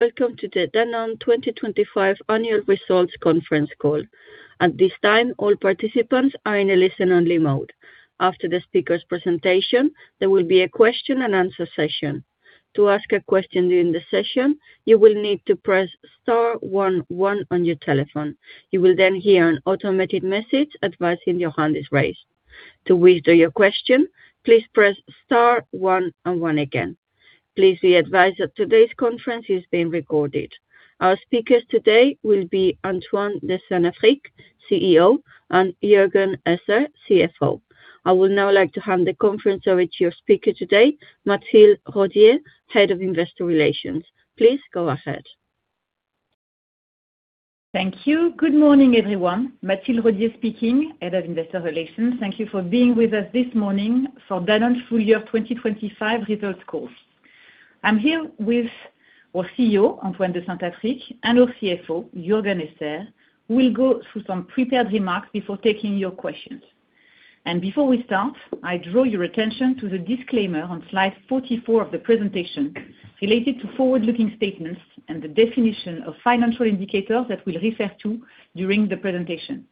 Welcome to the Danone 2025 annual results conference call. At this time, all participants are in a listen-only mode. After the speaker's presentation, there will be a question and answer session. To ask a question during the session, you will need to press star one one on your telephone. You will then hear an automated message advising your hand is raised. To withdraw your question, please press star one and one again. Please be advised that today's conference is being recorded. Our speakers today will be Antoine de Saint-Affrique, CEO, and Juergen Esser, CFO. I would now like to hand the conference over to your speaker today, Mathilde Rodié, Head of Investor Relations. Please go ahead. Thank you. Good morning, everyone. Mathilde Rodié speaking, Head of Investor Relations. Thank you for being with us this morning for Danone full year 2025 results call. I'm here with our CEO, Antoine de Saint-Affrique, and our CFO, Juergen Esser, who will go through some prepared remarks before taking your questions. And before we start, I draw your attention to the disclaimer on slide 44 of the presentation related to forward-looking statements and the definition of financial indicators that we'll refer to during the presentation.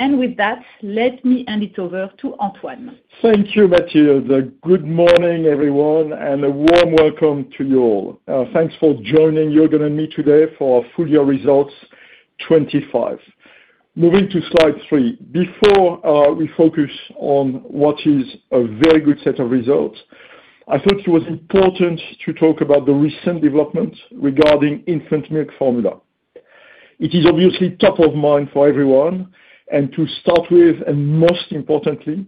And with that, let me hand it over to Antoine. Thank you, Mathilde. Good morning, everyone, and a warm welcome to you all. Thanks for joining Juergen and me today for our full year results 2025. Moving to slide three. Before we focus on what is a very good set of results, I thought it was important to talk about the recent developments regarding infant milk formula. It is obviously top of mind for everyone and to start with, and most importantly,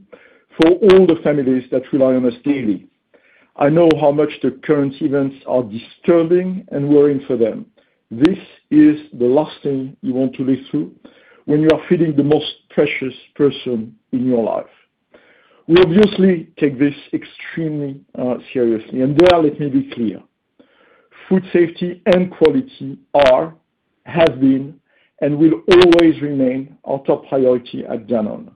for all the families that rely on us daily. I know how much the current events are disturbing and worrying for them. This is the last thing you want to live through when you are feeding the most precious person in your life. We obviously take this extremely seriously, let me be clear. Food safety and quality are, have been, and will always remain our top priority at Danone.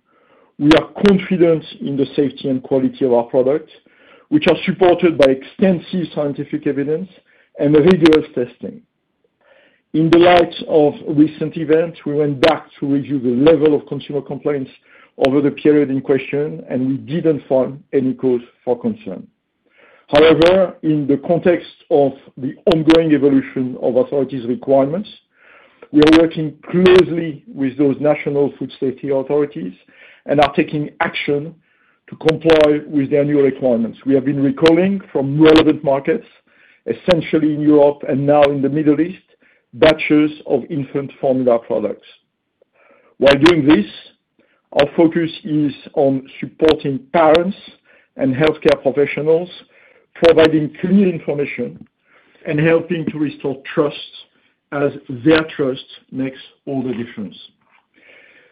We are confident in the safety and quality of our products, which are supported by extensive scientific evidence and rigorous testing. In the light of recent events, we went back to review the level of consumer complaints over the period in question, and we didn't find any cause for concern. However, in the context of the ongoing evolution of authorities' requirements, we are working closely with those national food safety authorities and are taking action to comply with their new requirements. We have been recalling from relevant markets, essentially in Europe and now in the Middle East, batches of infant formula products. While doing this, our focus is on supporting parents and healthcare professionals, providing clear information, and helping to restore trust, as their trust makes all the difference.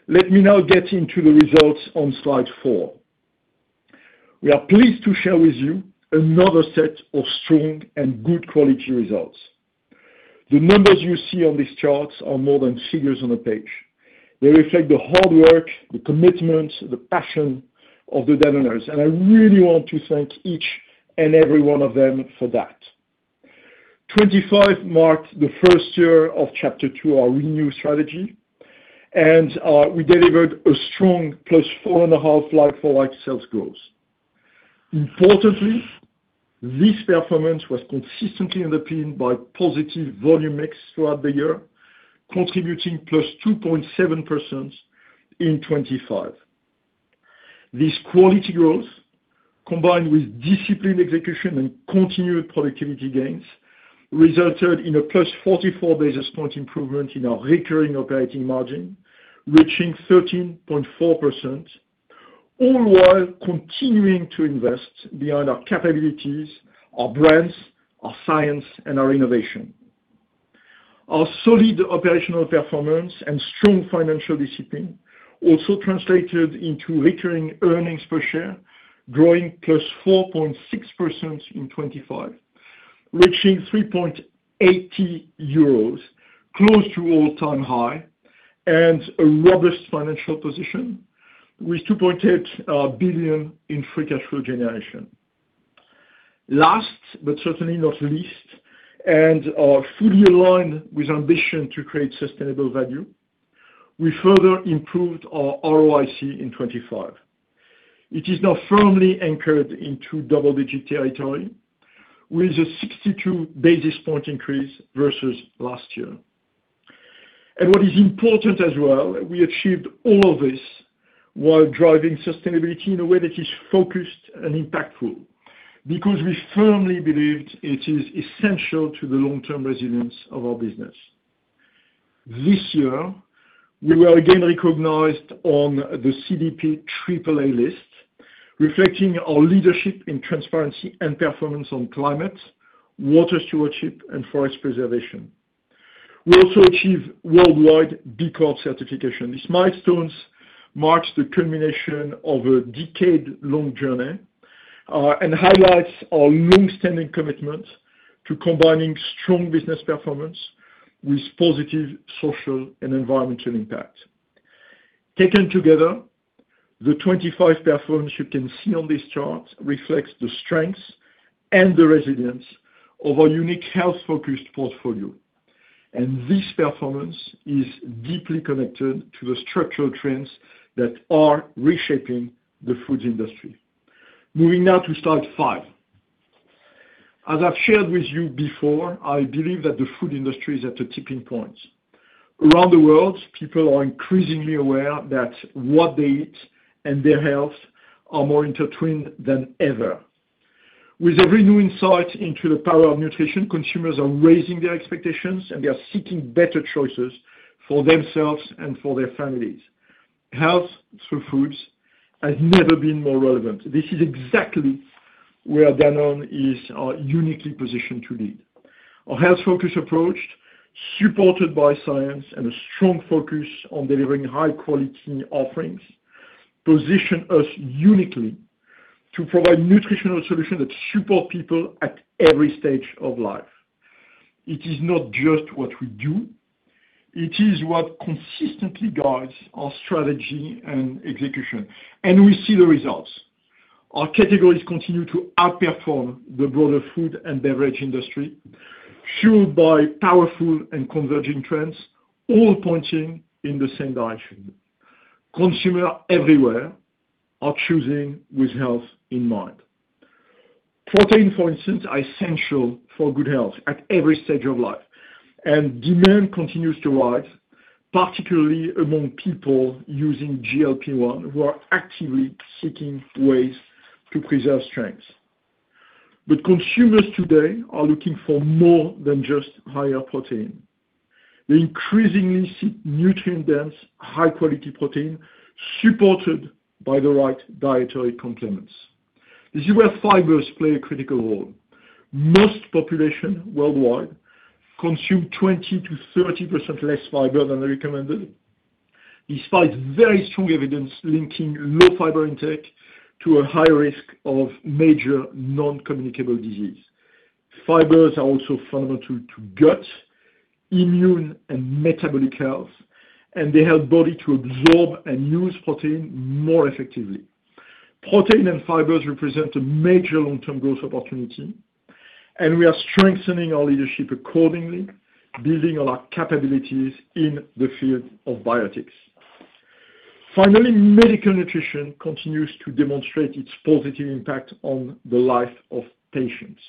Let me now get into the results on slide four. We are pleased to share with you another set of strong and good quality results. The numbers you see on these charts are more than figures on a page. They reflect the hard work, the commitment, the passion of the Danoners, and I really want to thank each and every one of them for that. 2025 marked the first year of Chapter 2, our Renew strategy, and we delivered a strong +4.5 like-for-like sales growth. Importantly, this performance was consistently underpinned by positive volume mix throughout the year, contributing +2.7% in 2025. This quality growth, combined with disciplined execution and continued productivity gains, resulted in a +44 basis point improvement in our recurring operating margin, reaching 13.4%, all while continuing to invest beyond our capabilities, our brands, our science, and our innovation. Our solid operational performance and strong financial discipline also translated into recurring earnings per share, growing +4.6% in 2025, reaching 3.80 euros, close to all-time high and a robust financial position with 2.8 billion in free cash flow generation. Last, but certainly not least, and are fully aligned with ambition to create sustainable value, we further improved our ROIC in 2025. It is now firmly anchored into double-digit territory, with a 62 basis point increase versus last year. And what is important as well, we achieved all of this while driving sustainability in a way that is focused and impactful, because we firmly believed it is essential to the long-term resilience of our business. This year, we were again recognized on the CDP Triple A list, reflecting our leadership in transparency and performance on climate, water stewardship, and forest preservation. We also achieved worldwide B Corp certification. These milestones mark the culmination of a decade-long journey and highlight our long-standing commitment to combining strong business performance with positive social and environmental impact. Taken together, the 25 platforms you can see on this chart reflect the strengths and the resilience of our unique health-focused portfolio, and this performance is deeply connected to the structural trends that are reshaping the food industry. Moving now to slide five. As I've shared with you before, I believe that the food industry is at a tipping point. Around the world, people are increasingly aware that what they eat and their health are more intertwined than ever. With every new insight into the power of nutrition, consumers are raising their expectations, and they are seeking better choices for themselves and for their families. Health through foods has never been more relevant. This is exactly where Danone is uniquely positioned to lead. Our health-focused approach, supported by science and a strong focus on delivering high-quality offerings, position us uniquely to provide nutritional solutions that support people at every stage of life. It is not just what we do, it is what consistently guides our strategy and execution, and we see the results. Our categories continue to outperform the broader food and beverage industry, fueled by powerful and converging trends, all pointing in the same direction. Consumers everywhere are choosing with health in mind. Protein, for instance, are essential for good health at every stage of life, and demand continues to rise, particularly among people using GLP-1, who are actively seeking ways to preserve strength. But consumers today are looking for more than just higher protein. They increasingly seek nutrient-dense, high-quality protein, supported by the right dietary complements. This is where fibers play a critical role. Most population worldwide consume 20%-30% less fiber than the recommended, despite very strong evidence linking low fiber intake to a high risk of major non-communicable disease. Fibers are also fundamental to gut, immune, and metabolic health, and they help body to absorb and use protein more effectively. Protein and fibers represent a major long-term growth opportunity, and we are strengthening our leadership accordingly, building on our capabilities in the field of biotics. Finally, medical nutrition continues to demonstrate its positive impact on the life of patients.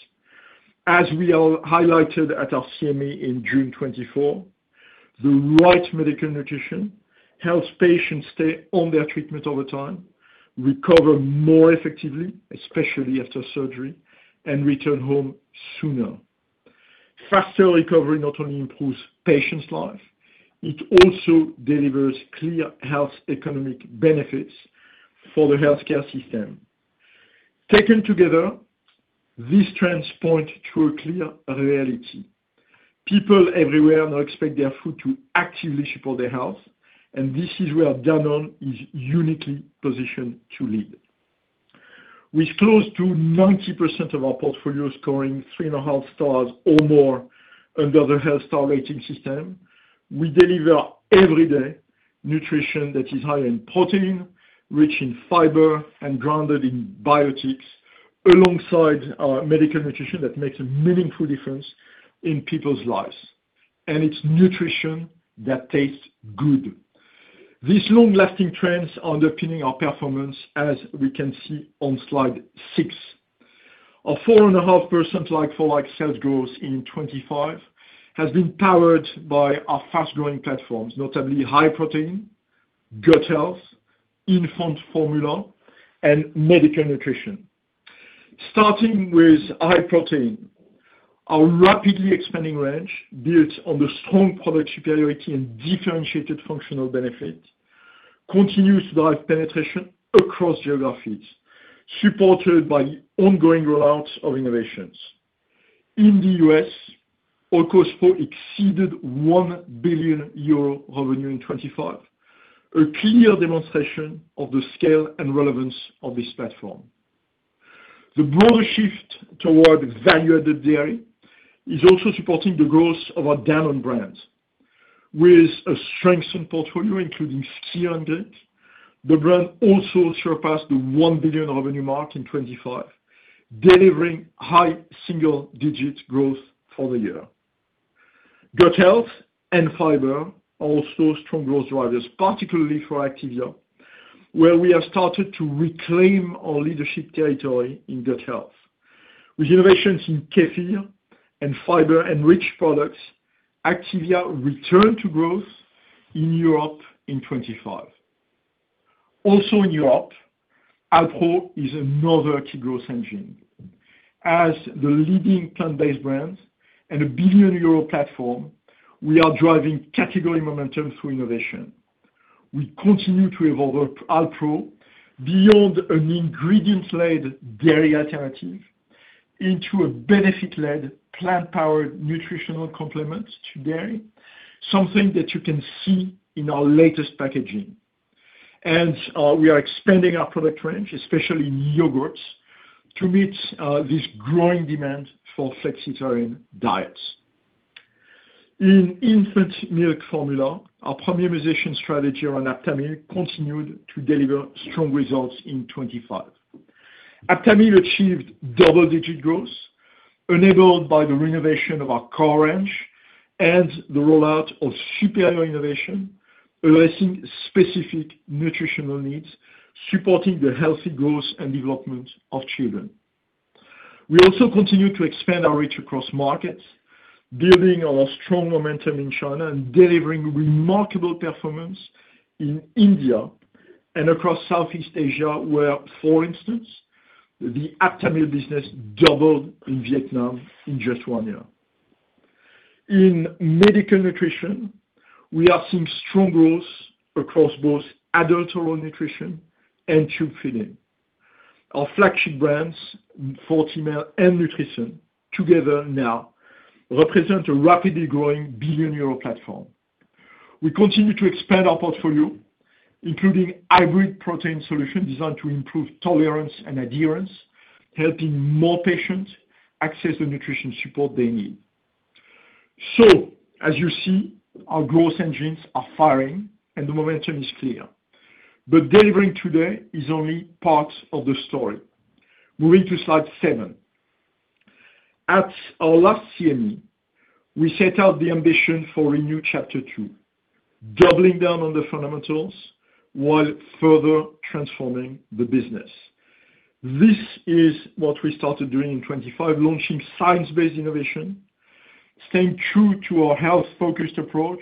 As we all highlighted at our CME in June 2024, the right medical nutrition helps patients stay on their treatment over time, recover more effectively, especially after surgery, and return home sooner. Faster recovery not only improves patients' life, it also delivers clear health economic benefits for the healthcare system. Taken together, these trends point to a clear reality. People everywhere now expect their food to actively support their health, and this is where Danone is uniquely positioned to lead. With close to 90% of our portfolio scoring 3.5 stars or more under the Health Star Rating system, we deliver everyday nutrition that is high in protein, rich in fiber, and grounded in biotics, alongside medical nutrition that makes a meaningful difference in people's lives, and it's nutrition that tastes good. These long-lasting trends are underpinning our performance, as we can see on slide six. Our 4.5% like-for-like sales growth in 2025 has been powered by our fast-growing platforms, notably high protein, gut health, infant formula, and medical nutrition. Starting with high protein, our rapidly expanding range, built on the strong product superiority and differentiated functional benefit, continues to drive penetration across geographies, supported by ongoing rollouts of innovations. In the U.S., Oikos Pro exceeded 1 billion euro revenue in 2025, a clear demonstration of the scale and relevance of this platform. The broader shift toward value-added dairy is also supporting the growth of our Danone brands. With a strengthened portfolio, including skyr and kefir, the brand also surpassed the 1 billion revenue mark in 2025, delivering high single-digit growth for the year. Gut health and fiber are also strong growth drivers, particularly for Activia, where we have started to reclaim our leadership territory in gut health. With innovations in kefir and fiber-enriched products, Activia returned to growth in Europe in 2025. Also in Europe, Alpro is another key growth engine. As the leading plant-based brand and a 1 billion euro platform, we are driving category momentum through innovation. We continue to evolve our Alpro beyond an ingredient-led dairy alternative into a benefit-led, plant-powered, nutritional complement to dairy, something that you can see in our latest packaging. We are expanding our product range, especially yogurts, to meet this growing demand for flexitarian diets. In infant milk formula, our premiumization strategy around Aptamil continued to deliver strong results in 2025. Aptamil achieved double-digit growth, enabled by the renovation of our core range and the rollout of superior innovation, addressing specific nutritional needs, supporting the healthy growth and development of children. We also continue to expand our reach across markets, building our strong momentum in China and delivering remarkable performance in India and across Southeast Asia, where, for instance, the Aptamil business doubled in Vietnam in just one year. In medical nutrition, we are seeing strong growth across both adult oral nutrition and tube feeding. Our flagship brands, Fortimel and Nutrison, together now represent a rapidly growing 1 billion euro platform. We continue to expand our portfolio, including hybrid protein solutions designed to improve tolerance and adherence, helping more patients access the nutrition support they need. As you see, our growth engines are firing, and the momentum is clear, delivering today is only part of the story. Moving to slide seven. At our last CME, we set out the ambition for Renew Chapter 2, doubling down on the fundamentals while further transforming the business. This is what we started doing in 2025, launching science-based innovation, staying true to our health-focused approach,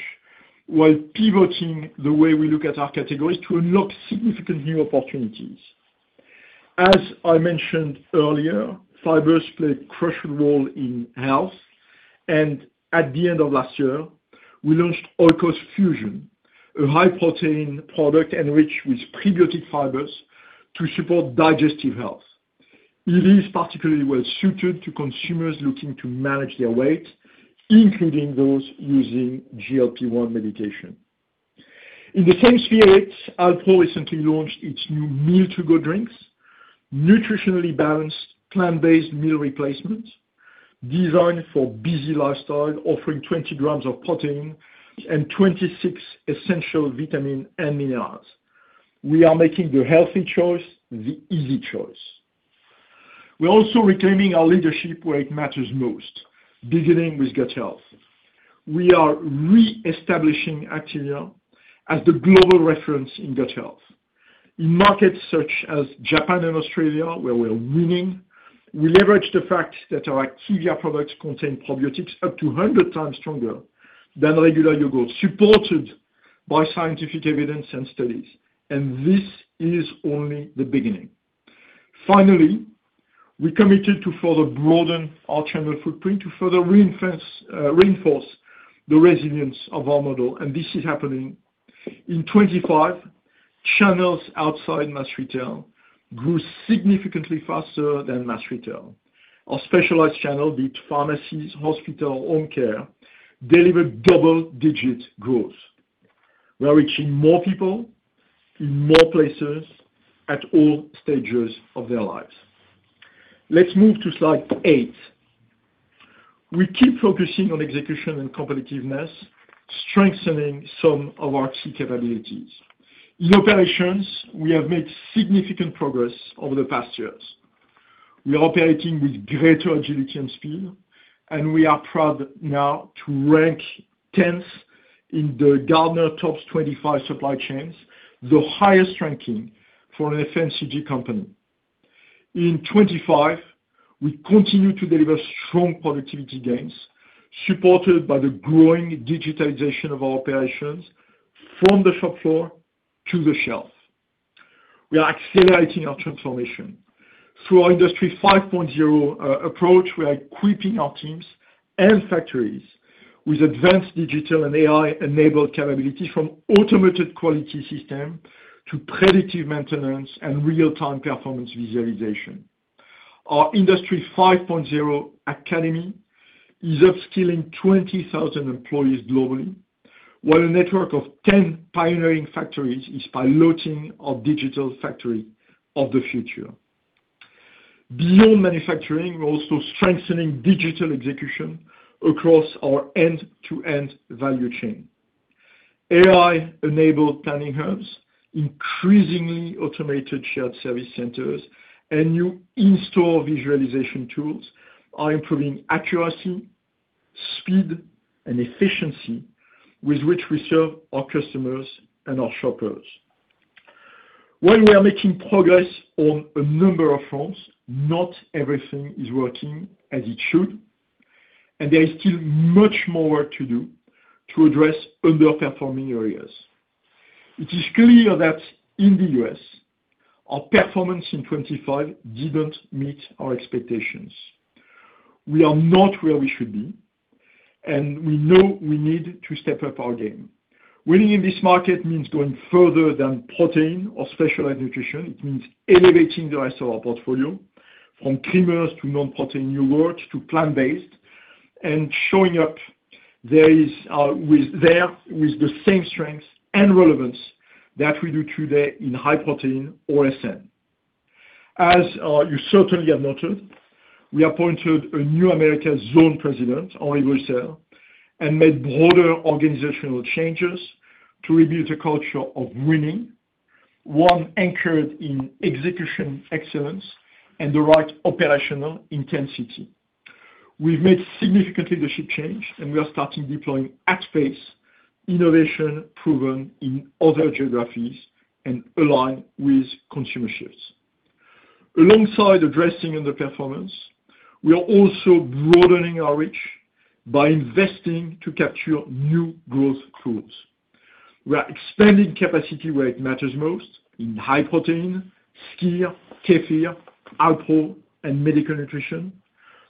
while pivoting the way we look at our categories to unlock significant new opportunities. As I mentioned earlier, fibers play a crucial role in health, and at the end of last year, we launched Oikos Fusion, a high-protein product enriched with prebiotic fibers to support digestive health. It is particularly well-suited to consumers looking to manage their weight, including those using GLP-1 medication. In the same spirit, Alpro recently launched its new Meal To Go drinks, nutritionally balanced, plant-based meal replacements designed for busy lifestyle, offering 20 g of protein and 26 essential vitamins and minerals. We are making the healthy choice the easy choice. We're also reclaiming our leadership where it matters most, beginning with gut health. We are reestablishing Activia as the global reference in gut health. In markets such as Japan and Australia, where we're winning, we leverage the fact that our Activia products contain probiotics up to 100x stronger than regular yogurt, supported by scientific evidence and studies, and this is only the beginning. Finally, we're committed to further broaden our channel footprint to further reinforce, reinforce the resilience of our model, and this is happening. In 2025, channels outside mass retail grew significantly faster than mass retail. Our specialized channel, be it pharmacies, hospital, home care, delivered double-digit growth. We are reaching more people in more places at all stages of their lives. Let's move to slide eight. We keep focusing on execution and competitiveness, strengthening some of our key capabilities. In operations, we have made significant progress over the past years. We are operating with greater agility and speed, and we are proud now to rank 10th in the Gartner Top 25 Supply Chains, the highest ranking for an FMCG company. In 2025, we continued to deliver strong productivity gains, supported by the growing digitization of our operations from the shop floor to the shelf. We are accelerating our transformation. Through our Industry 5.0 approach, we are equipping our teams and factories with advanced digital and AI-enabled capabilities, from automated quality system to predictive maintenance and real-time performance visualization. Our Industry 5.0 academy is upskilling 20,000 employees globally, while a network of 10 pioneering factories is piloting our digital factory of the future. Beyond manufacturing, we're also strengthening digital execution across our end-to-end value chain. AI-enabled planning hubs, increasingly automated shared service centers, and new in-store visualization tools are improving accuracy, speed, and efficiency with which we serve our customers and our shoppers. While we are making progress on a number of fronts, not everything is working as it should, and there is still much more work to do to address underperforming areas. It is clear that in the U.S., our performance in 2025 didn't meet our expectations. We are not where we should be, and we know we need to step up our game. Winning in this market means going further than protein or specialized nutrition. It means elevating the rest of our portfolio, from creamers to non-protein yogurt to plant-based, and showing up there with the same strengths and relevance that we do today in high protein or SN. As, you certainly have noted, we appointed a new America zone president, Henri Bruxelles, and made broader organizational changes to rebuild a culture of winning, one anchored in execution excellence and the right operational intensity. We've made significant leadership change, and we are starting deploying at pace, innovation proven in other geographies and aligned with consumer shifts. Alongside addressing underperformance, we are also broadening our reach by investing to capture new growth pools. We are expanding capacity where it matters most, in high protein, skyr, kefir, Alpro, and medical nutrition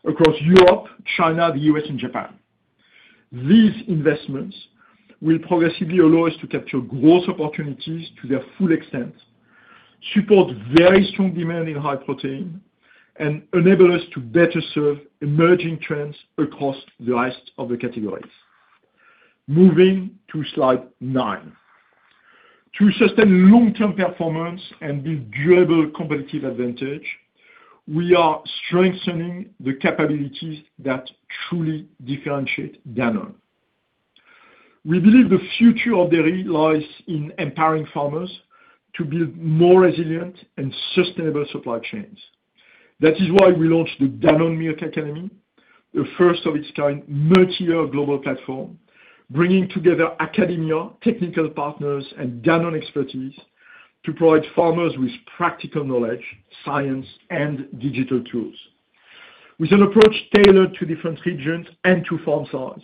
across Europe, China, the U.S., and Japan. These investments will progressively allow us to capture growth opportunities to their full extent, support very strong demand in high protein, and enable us to better serve emerging trends across the rest of the categories. Moving to slide nine. To sustain long-term performance and build durable competitive advantage, we are strengthening the capabilities that truly differentiate Danone. We believe the future of dairy lies in empowering farmers to build more resilient and sustainable supply chains. That is why we launched the Danone Milk Academy, the first of its kind multi-year global platform, bringing together academia, technical partners, and Danone expertise to provide farmers with practical knowledge, science, and digital tools. With an approach tailored to different regions and to farm size,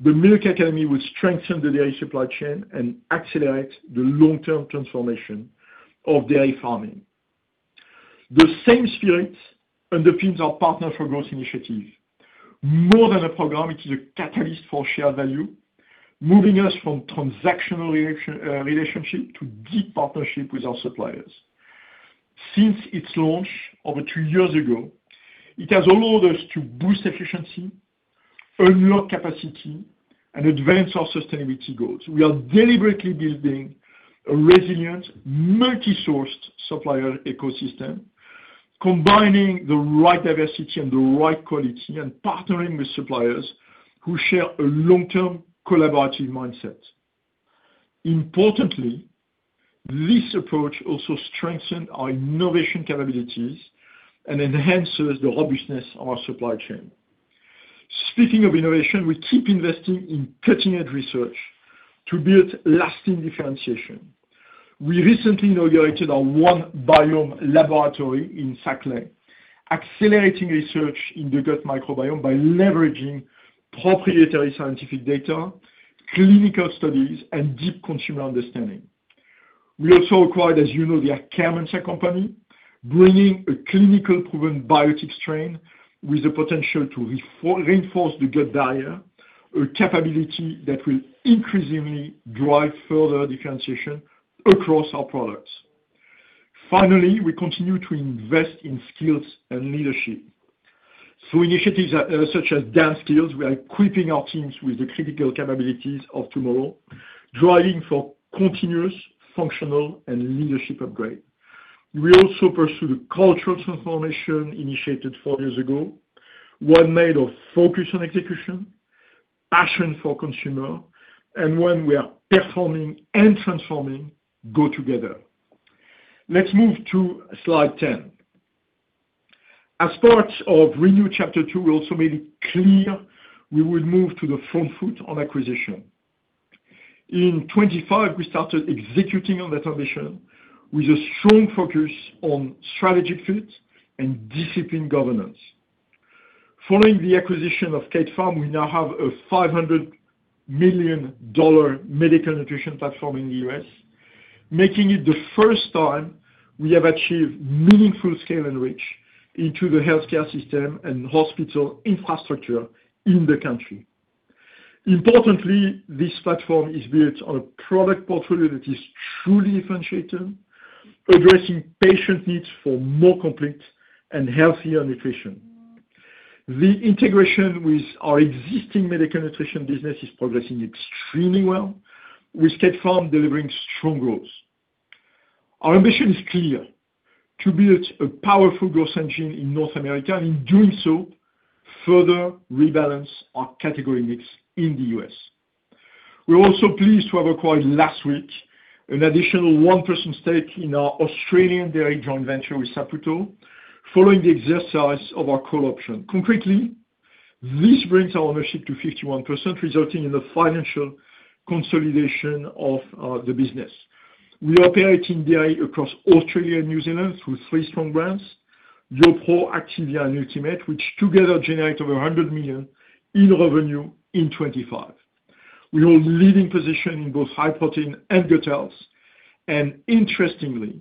the Milk Academy will strengthen the dairy supply chain and accelerate the long-term transformation of dairy farming. The same spirit underpins our Partner for Growth initiative. More than a program, it is a catalyst for shared value, moving us from transactional relationship to deep partnership with our suppliers. Since its launch over two years ago, it has allowed us to boost efficiency, unlock capacity, and advance our sustainability goals. We are deliberately building a resilient, multi-sourced supplier ecosystem, combining the right diversity and the right quality, and partnering with suppliers who share a long-term collaborative mindset. Importantly, this approach also strengthened our innovation capabilities and enhances the robustness of our supply chain. Speaking of innovation, we keep investing in cutting-edge research to build lasting differentiation. We recently inaugurated our OneBiome laboratory in Saclay, accelerating research in the gut microbiome by leveraging proprietary scientific data, clinical studies, and deep consumer understanding. We also acquired, as you know, the Akkermansia Company, bringing a clinically proven biotech strain with the potential to reinforce the gut barrier, a capability that will increasingly drive further differentiation across our products. Finally, we continue to invest in skills and leadership. Through initiatives such as DanSkills, we are equipping our teams with the critical capabilities of tomorrow, driving for continuous functional and leadership upgrade. We also pursue the cultural transformation initiated four years ago, one made of focus on execution, passion for consumer, and when we are performing and transforming go together. Let's move to slide 10. As part of Renew Chapter 2, we also made it clear we will move to the front foot on acquisition. In 2025, we started executing on that ambition with a strong focus on strategic fit and disciplined governance. Following the acquisition of Kate Farms, we now have a $500 million medical nutrition platform in the U.S., making it the first time we have achieved meaningful scale and reach into the healthcare system and hospital infrastructure in the country. Importantly, this platform is built on a product portfolio that is truly differentiated, addressing patient needs for more complete and healthier nutrition. The integration with our existing medical nutrition business is progressing extremely well, with Kate Farms delivering strong growth. Our ambition is clear, to build a powerful growth engine in North America, and in doing so, further rebalance our category mix in the U.S. We are also pleased to have acquired last week an additional 1% stake in our Australian dairy joint venture with Saputo, following the exercise of our call option. Concretely, this brings our ownership to 51%, resulting in the financial consolidation of the business. We are operating dairy across Australia and New Zealand through three strong brands, YoPRO, Activia, and Ultimate, which together generate over 100 million in revenue in 2025. We hold leading position in both high protein and yogurts, and interestingly,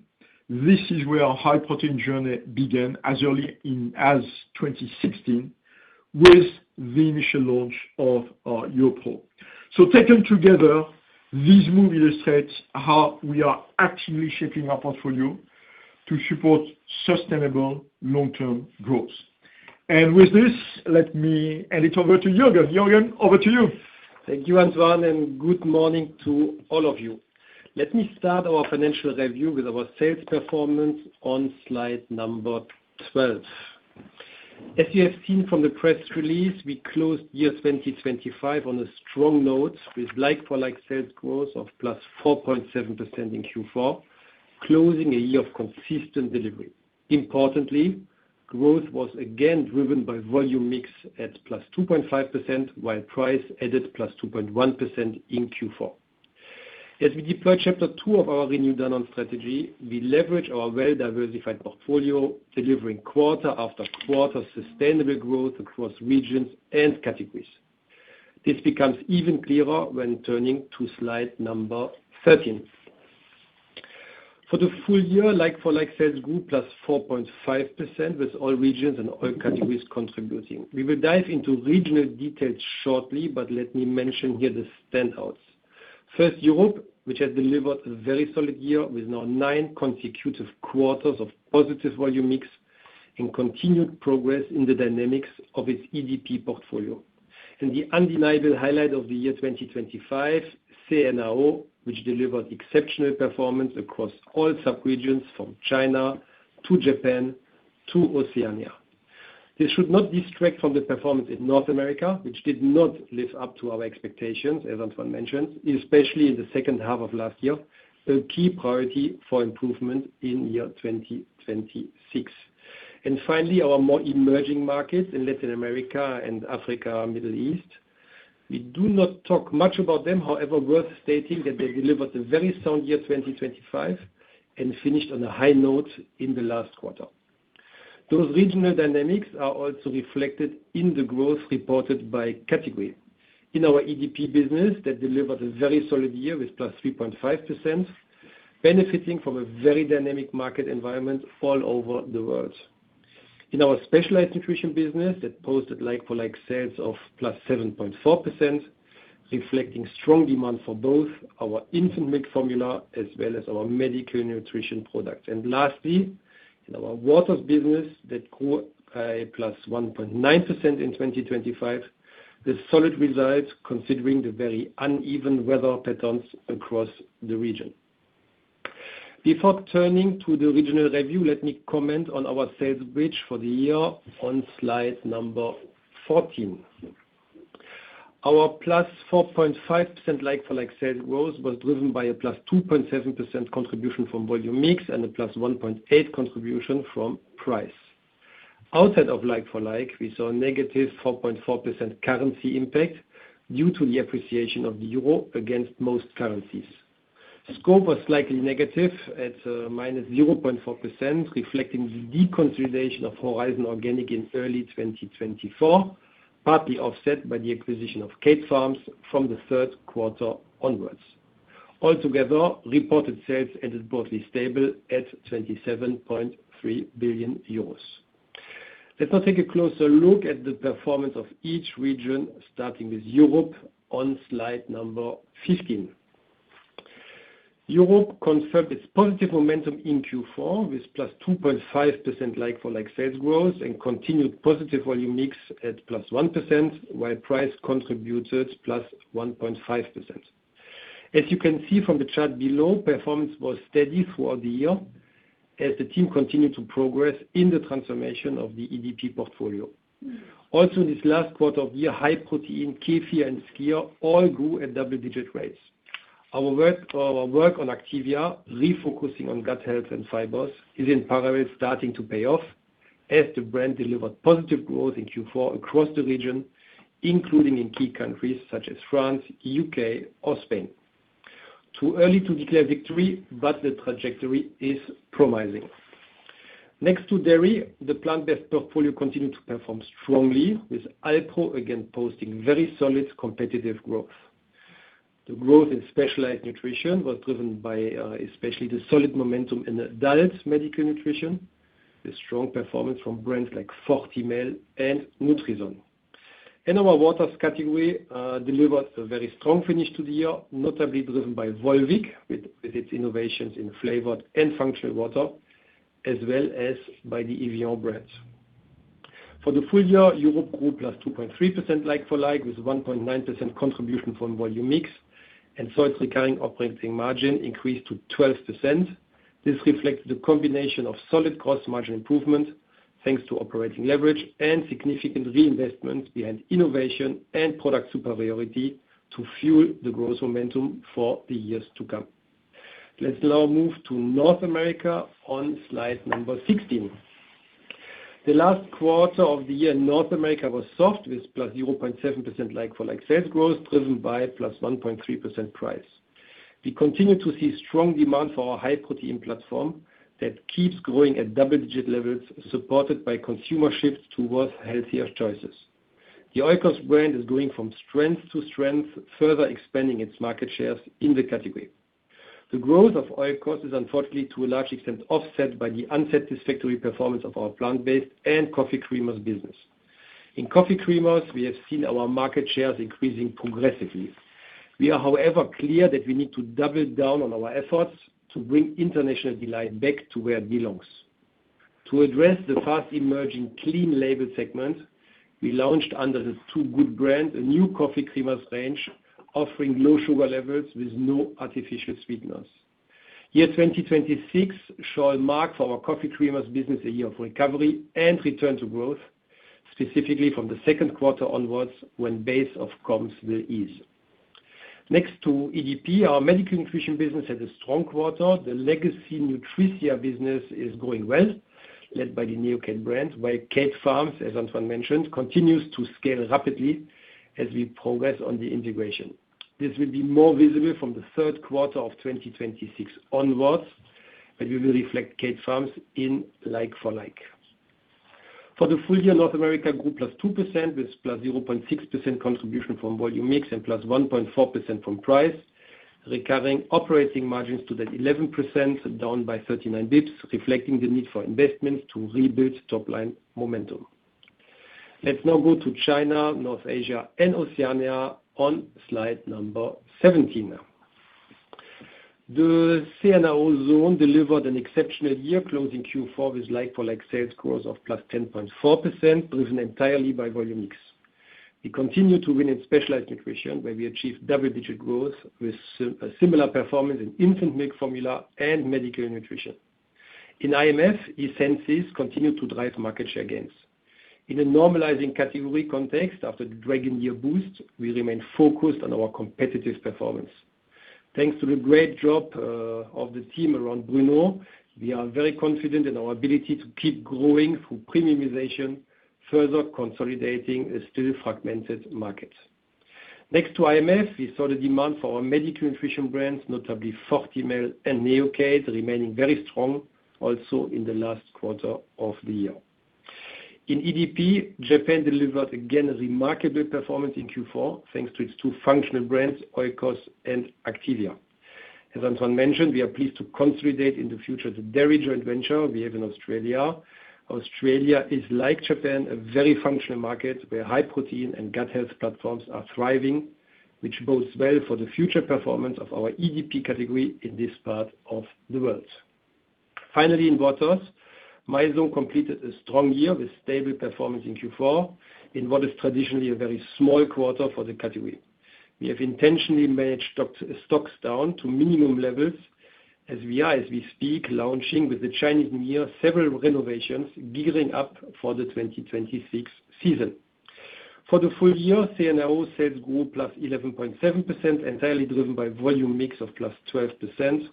this is where our high protein journey began as early as 2016, with the initial launch of YoPRO. So taken together, these moves illustrate how we are actively shaping our portfolio to support sustainable long-term growth. And with this, let me hand it over to Juergen. Juergen, over to you. Thank you, Antoine, and good morning to all of you. Let me start our financial review with our sales performance on slide 12. As you have seen from the press release, we closed year 2025 on a strong note, with like-for-like sales growth of +4.7% in Q4, closing a year of consistent delivery. Importantly, growth was again driven by volume mix at +2.5%, while price added +2.1% in Q4. As we deploy Chapter 2 of our Renew Danone strategy, we leverage our well-diversified portfolio, delivering quarter after quarter sustainable growth across regions and categories. This becomes even clearer when turning to slide 13. For the full year, like-for-like sales grew +4.5%, with all regions and all categories contributing. We will dive into regional details shortly, but let me mention here the standouts. First, Europe, which has delivered a very solid year with now nine consecutive quarters of positive volume mix and continued progress in the dynamics of its EDP portfolio. The undeniable highlight of the year 2025, CNAO, which delivered exceptional performance across all sub-regions, from China to Japan to Oceania. This should not distract from the performance in North America, which did not live up to our expectations, as Antoine mentioned, especially in the second half of last year, a key priority for improvement in year 2026. Finally, our more emerging markets in Latin America and Africa, Middle East. We do not talk much about them, however, worth stating that they delivered a very sound year 2025 and finished on a high note in the last quarter. Those regional dynamics are also reflected in the growth reported by category. In our EDP business, that delivered a very solid year with +3.5%, benefiting from a very dynamic market environment all over the world. In our specialized nutrition business, that posted like-for-like sales of +7.4%, reflecting strong demand for both our infant milk formula as well as our medical nutrition products. And lastly, in our waters business, that grew +1.9% in 2025, the solid results, considering the very uneven weather patterns across the region. Before turning to the regional review, let me comment on our sales bridge for the year on slide number 14. Our +4.5% like-for-like sales growth was driven by a +2.7% contribution from volume mix and a +1.8 contribution from price. Outside of like-for-like, we saw a -4.4% currency impact due to the appreciation of the euro against most currencies. Scope was slightly negative at -0.4%, reflecting the deconsolidation of Horizon Organic in early 2024, partly offset by the acquisition of Kate Farms from the third quarter onwards. Altogether, reported sales ended broadly stable at 27.3 billion euros. Let us now take a closer look at the performance of each region, starting with Europe on slide 15. Europe confirmed its positive momentum in Q4, with +2.5% like-for-like sales growth and continued positive volume mix at +1%, while price contributed +1.5%. As you can see from the chart below, performance was steady throughout the year as the team continued to progress in the transformation of the EDP portfolio. Also, in this last quarter of the year, high protein, kefir, and skyr all grew at double-digit rates. Our work on Activia, refocusing on gut health and fibers, is in parallel starting to pay off, as the brand delivered positive growth in Q4 across the region, including in key countries such as France, U.K., or Spain. Too early to declare victory, but the trajectory is promising. Next to dairy, the plant-based portfolio continued to perform strongly, with Alpro again posting very solid competitive growth. The growth in specialized nutrition was driven by especially the solid momentum in adult medical nutrition, the strong performance from brands like Fortimel and Nutrison. Our waters category delivered a very strong finish to the year, notably driven by Volvic, with its innovations in flavored and functional water, as well as by the Evian brands. For the full year, Europe grew +2.3% like-for-like, with 1.9% contribution from volume mix, and so its recurring operating margin increased to 12%. This reflects the combination of solid cost margin improvement, thanks to operating leverage and significant reinvestment behind innovation and product superiority to fuel the growth momentum for the years to come. Let's now move to North America on slide number 16. The last quarter of the year in North America was soft, with +0.7% like-for-like sales growth, driven by +1.3% price. We continue to see strong demand for our high-protein platform that keeps growing at double-digit levels, supported by consumer shifts towards healthier choices. The Oikos brand is going from strength to strength, further expanding its market shares in the category. The growth of Oikos is unfortunately, to a large extent, offset by the unsatisfactory performance of our plant-based and coffee creamers business. In coffee creamers, we have seen our market shares increasing progressively. We are, however, clear that we need to double down on our efforts to bring International Delight back to where it belongs. To address the fast-emerging clean label segment, we launched under the Two Good brand, a new coffee creamers range, offering low sugar levels with no artificial sweeteners. Year 2026 shall mark for our coffee creamers business, a year of recovery and return to growth, specifically from the second quarter onwards, when base of comps will ease. Next to EDP, our medical nutrition business had a strong quarter. The legacy Nutricia business is going well, led by the Neocate brand, while Kate Farms, as Antoine mentioned, continues to scale rapidly as we progress on the integration. This will be more visible from the third quarter of 2026 onwards, and we will reflect Kate Farms in like for like. For the full year, North America grew +2%, with +0.6% contribution from volume mix and +1.4% from price, recovering operating margins to the 11%, down by 39 basis points, reflecting the need for investments to rebuild top line momentum. Let's now go to China, North Asia, and Oceania on slide number 17. The CNAO zone delivered an exceptional year, closing Q4 with like-for-like sales growth of +10.4%, driven entirely by volume mix. We continue to win in specialized nutrition, where we achieved double-digit growth, with a similar performance in infant milk formula and medical nutrition. In IMF, Essensis continued to drive market share gains. In a normalizing category context after the dragon year boost, we remain focused on our competitive performance. Thanks to the great job of the team around Bruno, we are very confident in our ability to keep growing through premiumization, further consolidating a still fragmented market. Next to IMF, we saw the demand for our medical nutrition brands, notably Fortimel and Neocate, remaining very strong also in the last quarter of the year. In EDP, Japan delivered again, a remarkable performance in Q4, thanks to its two functional brands, Oikos and Activia. As Antoine mentioned, we are pleased to consolidate in the future the dairy joint venture we have in Australia. Australia is, like Japan, a very functional market, where high protein and gut health platforms are thriving, which bodes well for the future performance of our EDP category in this part of the world. Finally, in Waters, Mizone completed a strong year with stable performance in Q4, in what is traditionally a very small quarter for the category. We have intentionally managed stock down to minimum levels as we are, as we speak, launching with the Chinese New Year, several renovations, gearing up for the 2026 season. For the full year, CNAO sales grew +11.7%, entirely driven by volume mix of +12%.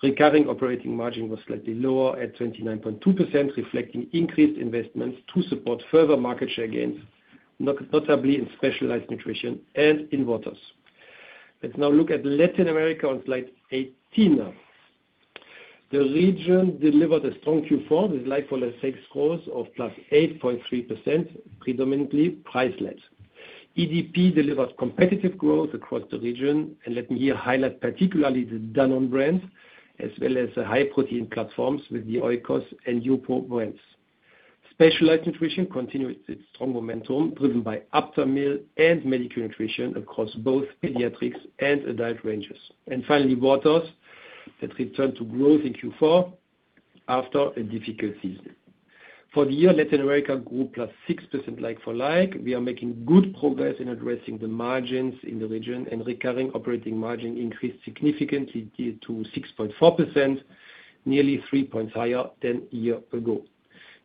Recovering operating margin was slightly lower at 29.2%, reflecting increased investments to support further market share gains, notably in specialized nutrition and in waters. Let's now look at Latin America on slide 18. The region delivered a strong Q4, with like-for-like sales growth of +8.3%, predominantly price mix. EDP delivered competitive growth across the region, and let me here highlight particularly the Danone brands, as well as the high protein platforms with the Oikos and YoPRO brands. Specialized nutrition continued its strong momentum, driven by Aptamil and medical nutrition across both pediatrics and adult ranges. Finally, Waters that returned to growth in Q4 after a difficult season. For the year, Latin America grew +6% like-for-like. We are making good progress in addressing the margins in the region, and recurring operating margin increased significantly to 6.4%, nearly three points higher than a year ago.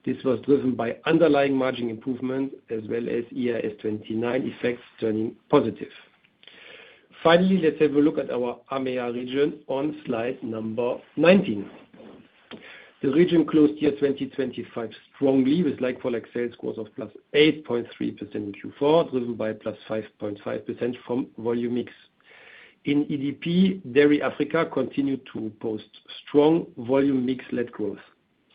This was driven by underlying margin improvement as well as IAS 29 effects turning positive. Finally, let's have a look at our EMEA region on slide number 19. The region closed year 2025 strongly, with like-for-like sales growth of +8.3% in Q4, driven by +5.5% from volume mix. In EDP, Dairy Africa continued to post strong volume mix-led growth.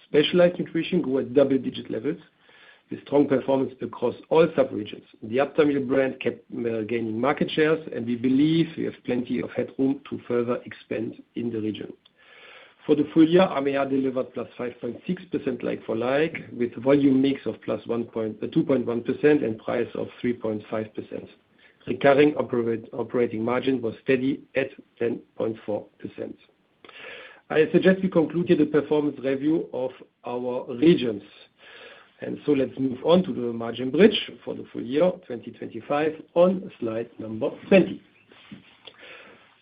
Specialized nutrition grew at double-digit levels, with strong performance across all sub-regions. The Aptamil brand kept gaining market shares, and we believe we have plenty of headroom to further expand in the region. For the full year, EMEA delivered +5.6% like-for-like, with volume mix of +2.1% and price of +3.5%. Recovering operating margin was steady at 10.4%. I suggest we concluded the performance review of our regions, and so let's move on to the margin bridge for the full year 2025 on slide 20.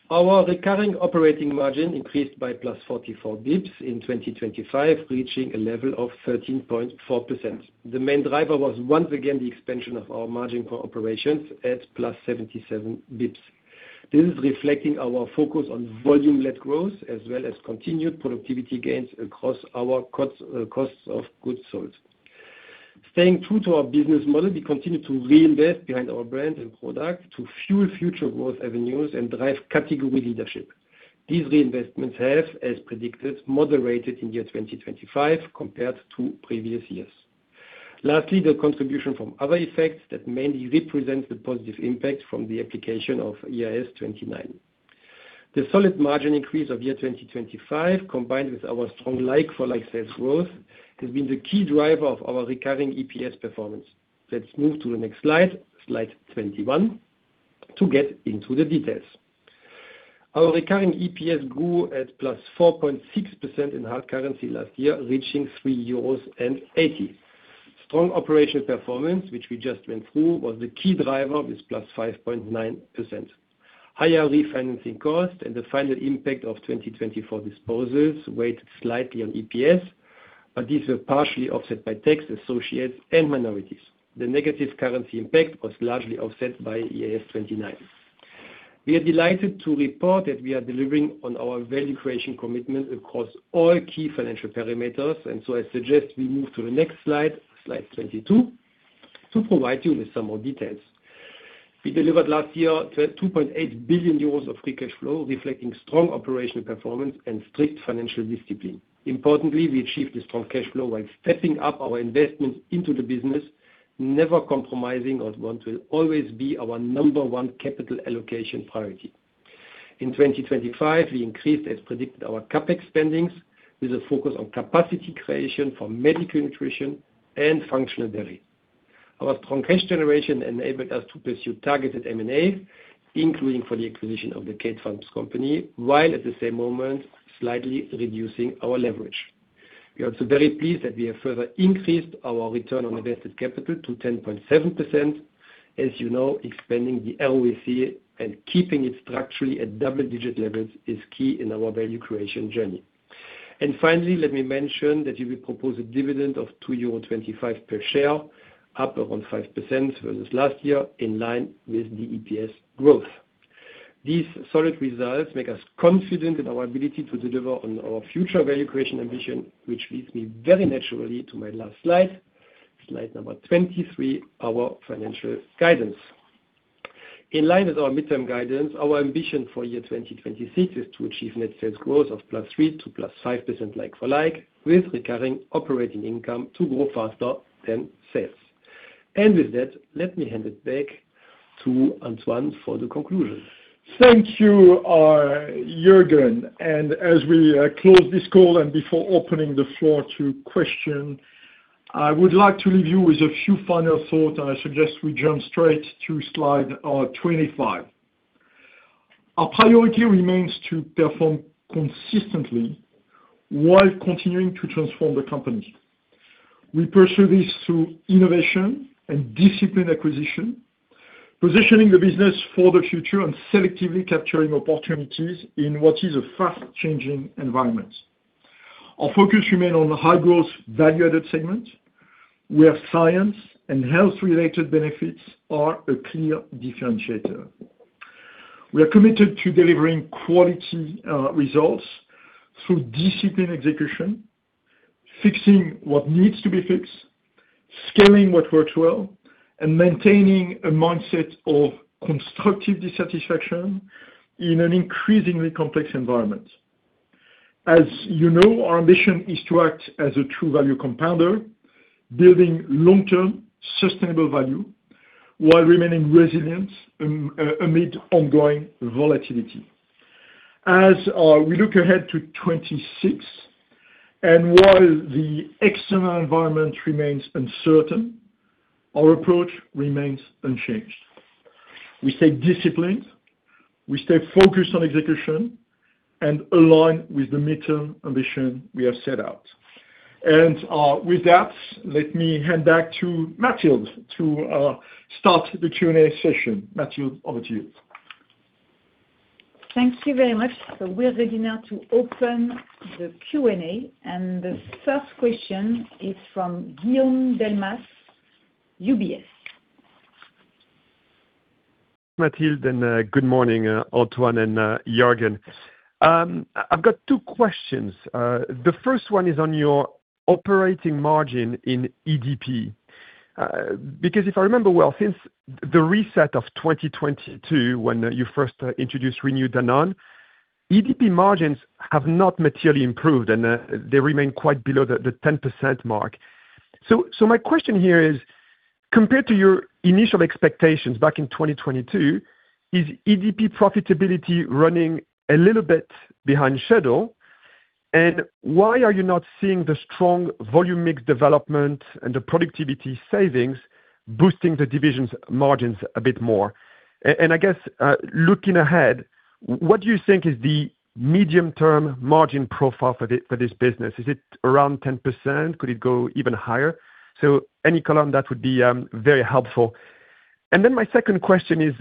Our recurring operating margin increased by +44 basis points in 2025, reaching a level of 13.4%. The main driver was once again the expansion of our margin for operations at +77 basis points. This is reflecting our focus on volume-led growth, as well as continued productivity gains across our costs, costs of goods sold. Staying true to our business model, we continue to reinvest behind our brands and products to fuel future growth avenues and drive category leadership. These reinvestments have, as predicted, moderated in the year 2025 compared to previous years. Lastly, the contribution from other effects that mainly represents the positive impact from the application of IAS 29. The solid margin increase of year 2025, combined with our strong like-for-like sales growth, has been the key driver of our recurring EPS performance. Let's move to the next slide, slide 21, to get into the details. Our recurring EPS grew at +4.6% in hard currency last year, reaching 3.80 euros. Strong operational performance, which we just went through, was the key driver of this +5.9%. Higher refinancing costs and the final impact of 2024 disposals weighed slightly on EPS, but these were partially offset by tax associates and minorities. The negative currency impact was largely offset by IAS 29. We are delighted to report that we are delivering on our value creation commitment across all key financial parameters, and so I suggest we move to the next slide, slide 22, to provide you with some more details. We delivered last year, 2.8 billion euros of free cash flow, reflecting strong operational performance and strict financial discipline. Importantly, we achieved a strong cash flow while stepping up our investments into the business, never compromising on what will always be our number one capital allocation priority. In 2025, we increased, as predicted, our CapEx spendings with a focus on capacity creation for medical nutrition and functional dairy. Our strong cash generation enabled us to pursue targeted M&A, including for the acquisition of the Kate Farms company, while at the same moment, slightly reducing our leverage. We are also very pleased that we have further increased our return on invested capital to 10.7%. As you know, expanding the ROCE and keeping it structurally at double digit levels is key in our value creation journey. And finally, let me mention that you will propose a dividend of 2.25 euro per share, up around 5% versus last year, in line with the EPS growth. These solid results make us confident in our ability to deliver on our future value creation ambition, which leads me very naturally to my last slide, slide number 23, our financial guidance. In line with our midterm guidance, our ambition for year 2026 is to achieve net sales growth of +3% to +5% like for like, with recurring operating income to grow faster than sales. With that, let me hand it back to Antoine for the conclusion. Thank you, Juergen. As we close this call and before opening the floor to question, I would like to leave you with a few final thoughts, and I suggest we jump straight to slide 25. Our priority remains to perform consistently while continuing to transform the company. We pursue this through innovation and discipline acquisition, positioning the business for the future and selectively capturing opportunities in what is a fast changing environment. Our focus remain on the high growth, value-added segment, where science and health-related benefits are a clear differentiator. We are committed to delivering quality results through disciplined execution, fixing what needs to be fixed, scaling what works well, and maintaining a mindset of constructive dissatisfaction in an increasingly complex environment. As you know, our ambition is to act as a true value compounder, building long-term sustainable value while remaining resilient amid ongoing volatility. As we look ahead to 2026, and while the external environment remains uncertain, our approach remains unchanged. We stay disciplined, we stay focused on execution and align with the midterm ambition we have set out. And with that, let me hand back to Mathilde to start the Q&A session. Mathilde, over to you. Thank you very much. So we're ready now to open the Q&A, and the first question is from Guillaume Delmas, UBS. Mathilde, and good morning, Antoine and Juergen. I've got two questions. The first one is on your operating margin in EDP. Because if I remember well, since the reset of 2022, when you first introduced Renew Danone, EDP margins have not materially improved, and they remain quite below the 10% mark. So my question here is, compared to your initial expectations back in 2022, is EDP profitability running a little bit behind schedule? And why are you not seeing the strong volume mix development and the productivity savings boosting the division's margins a bit more? And I guess, looking ahead, what do you think is the medium-term margin profile for this business? Is it around 10%? Could it go even higher? So any color on that would be, very helpful. And then my second question is,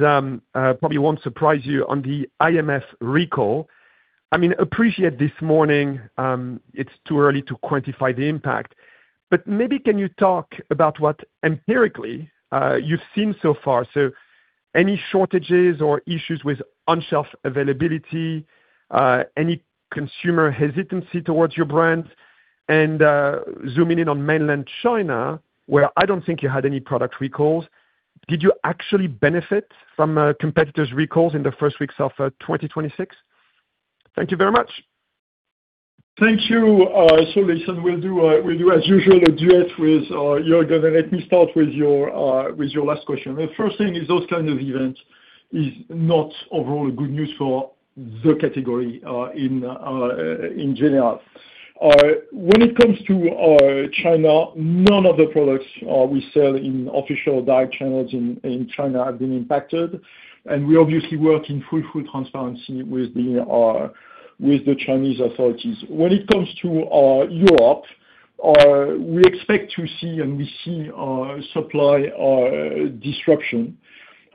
probably won't surprise you on the IMF recall. I mean, appreciate this morning, it's too early to quantify the impact, but maybe can you talk about what empirically, you've seen so far? So any shortages or issues with on-shelf availability, any consumer hesitancy towards your brands? And, zooming in on mainland China, where I don't think you had any product recalls, did you actually benefit from, competitors' recalls in the first weeks of, 2026? Thank you very much. Thank you. Listen, we'll do as usual, a duet with Juergen, and let me start with your last question. The first thing is those kind of events is not overall good news for the category in general. When it comes to China, none of the products we sell in official diet channels in China have been impacted, and we obviously work in full, full transparency with the Chinese authorities. When it comes to Europe, we expect to see and we see supply disruption.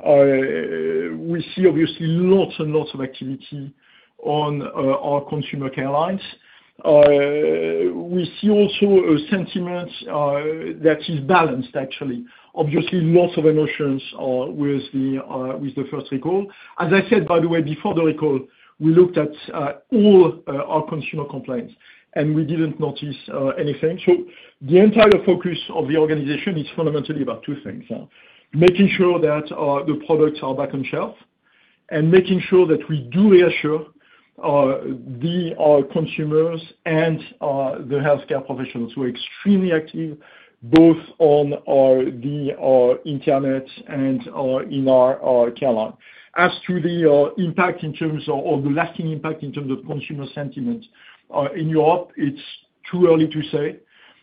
We see obviously lots and lots of activity on our consumer care lines. We see also a sentiment that is balanced, actually. Obviously, lots of emotions with the first recall. As I said, by the way, before the recall, we looked at all our consumer complaints, and we didn't notice anything. So the entire focus of the organization is fundamentally about two things: making sure that the products are back on shelf, and making sure that we do reassure our consumers and the healthcare professionals who are extremely active, both on the internet and in our care line. As to the impact in terms of, or the lasting impact in terms of consumer sentiment in Europe, it's too early to say,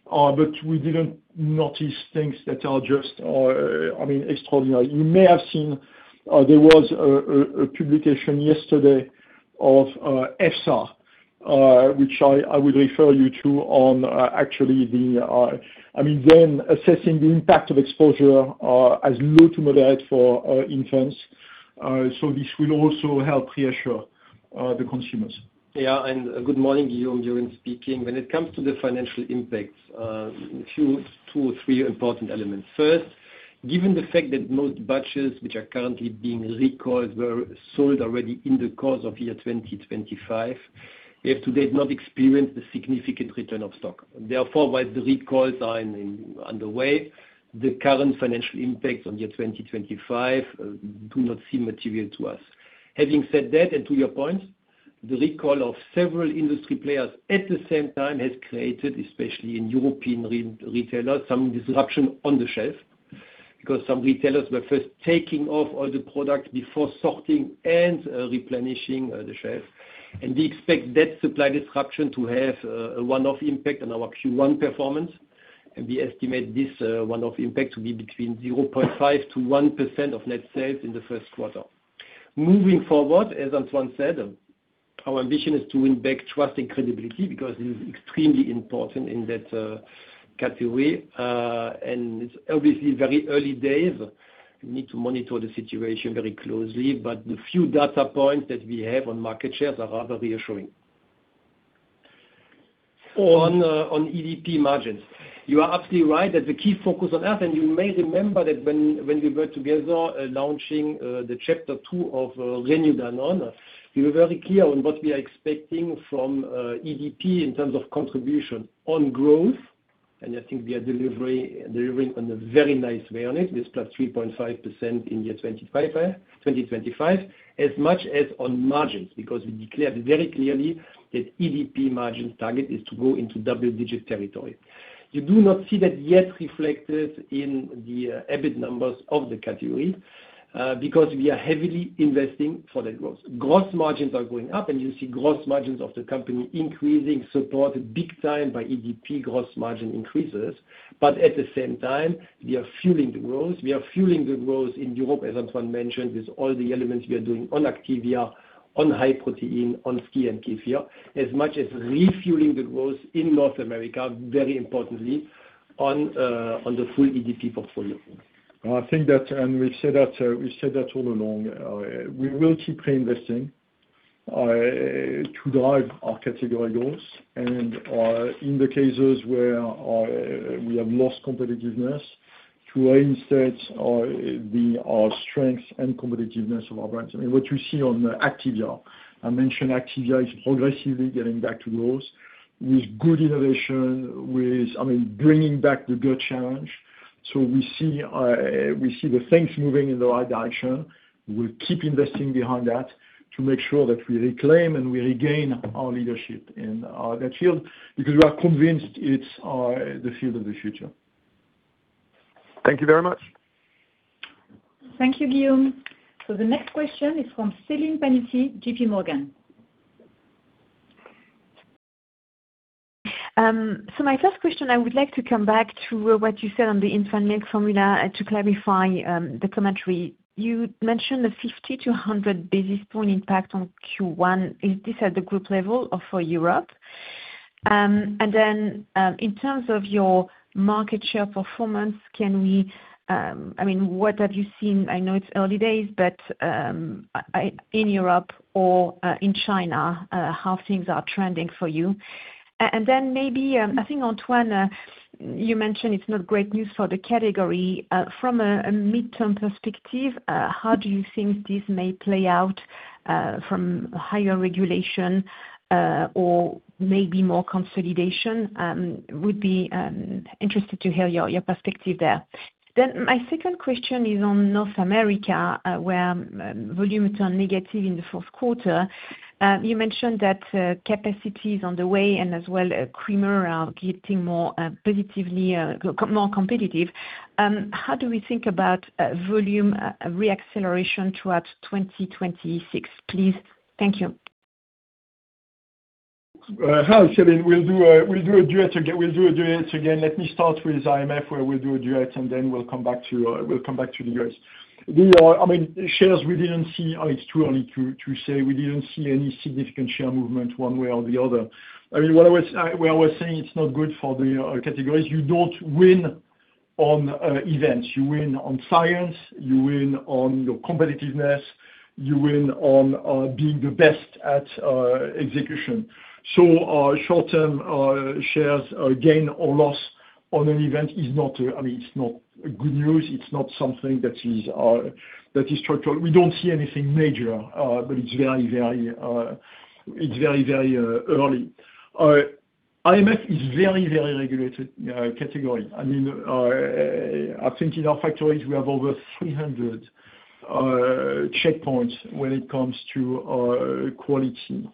but we didn't notice things that are just, I mean, extraordinary. You may have seen there was a publication yesterday of EFSA, which I would refer you to on actually the... I mean, then assessing the impact of exposure, as low to moderate for, infants. So this will also help reassure, the consumers. Yeah, and good morning, Guillaume, Juergen speaking. When it comes to the financial impacts, a few, two, three important elements. First, given the fact that most batches, which are currently being recalled, were sold already in the course of year 2025, we have to date not experienced a significant return of stock. Therefore, while the recalls are underway, the current financial impacts on year 2025 do not seem material to us. Having said that, and to your point, the recall of several industry players at the same time has created, especially in European retailers, some disruption on the shelf, because some retailers were first taking off all the product before sorting and, replenishing, the shelf. We expect that supply disruption to have a one-off impact on our Q1 performance, and we estimate this one-off impact to be between 0.5%-1% of net sales in the first quarter. Moving forward, as Antoine said, our ambition is to win back trust and credibility, because it is extremely important in that category. And it's obviously very early days. We need to monitor the situation very closely, but the few data points that we have on market shares are rather reassuring. On EDP margins, you are absolutely right that the key focus on us, and you may remember that when we were together, launching the Chapter 2 of Renew Danone, we were very clear on what we are expecting from EDP in terms of contribution on growth, and I think we are delivering on a very nice way on it, with +3.5% in 2025, as much as on margins, because we declared very clearly that EDP margins target is to go into double-digit territory. You do not see that yet reflected in the EBIT numbers of the category, because we are heavily investing for the growth. Gross margins are going up, and you see gross margins of the company increasing, supported big time by EDP gross margin increases. But at the same time, we are fueling the growth, we are fueling the growth in Europe, as Antoine mentioned, with all the elements we are doing on Activia, on high protein, on skyr and kefir, as much as refueling the growth in North America, very importantly, on, on the full EDP portfolio. I think that, and we've said that, we've said that all along, we will keep reinvesting, to drive our category goals, and, in the cases where, we have lost competitiveness, to reinstate, the, our strength and competitiveness of our brands. I mean, what you see on Activia, I mentioned Activia is progressively getting back to growth with good innovation, with, I mean, bringing back the gut challenge. So we see, we see the things moving in the right direction. We'll keep investing behind that to make sure that we reclaim and we regain our leadership in, that field, because we are convinced it's, the field of the future. Thank you very much. Thank you, Guillaume. So the next question is from Celine Pannuti, JPMorgan. So my first question, I would like to come back to what you said on the infant milk formula, and to clarify, the commentary. You mentioned a 50-100 basis point impact on Q1. Is this at the group level or for Europe? And then, in terms of your market share performance, can we, I mean, what have you seen? I know it's early days, but, in Europe or, in China, how things are trending for you. And then maybe, I think, Antoine, you mentioned it's not great news for the category. From a midterm perspective, how do you think this may play out, from higher regulation, or maybe more consolidation? Would be interested to hear your perspective there. My second question is on North America, where volumes are negative in the fourth quarter. You mentioned that capacity is on the way, and as well, creamer are getting more positively, more competitive. How do we think about volume reacceleration towards 2026, please? Thank you. Hi, Celine, we'll do a, we'll do a duet again, we'll do a duet again. Let me start with IMF, where we'll do a duet, and then we'll come back to, we'll come back to the U.S. The, I mean, shares, we didn't see— Oh, it's too early to, to say. We didn't see any significant share movement one way or the other. I mean, what I was, I, we always saying it's not good for the, categories. You don't win on, events, you win on science, you win on your competitiveness, you win on, being the best at, execution. So, short-term, shares, gain or loss on an event is not, I mean, it's not good news. It's not something that is, that is structural. We don't see anything major, but it's very, very early. IMF is very, very regulated category. I mean, I think in our factories we have over 300 checkpoints when it comes to quality.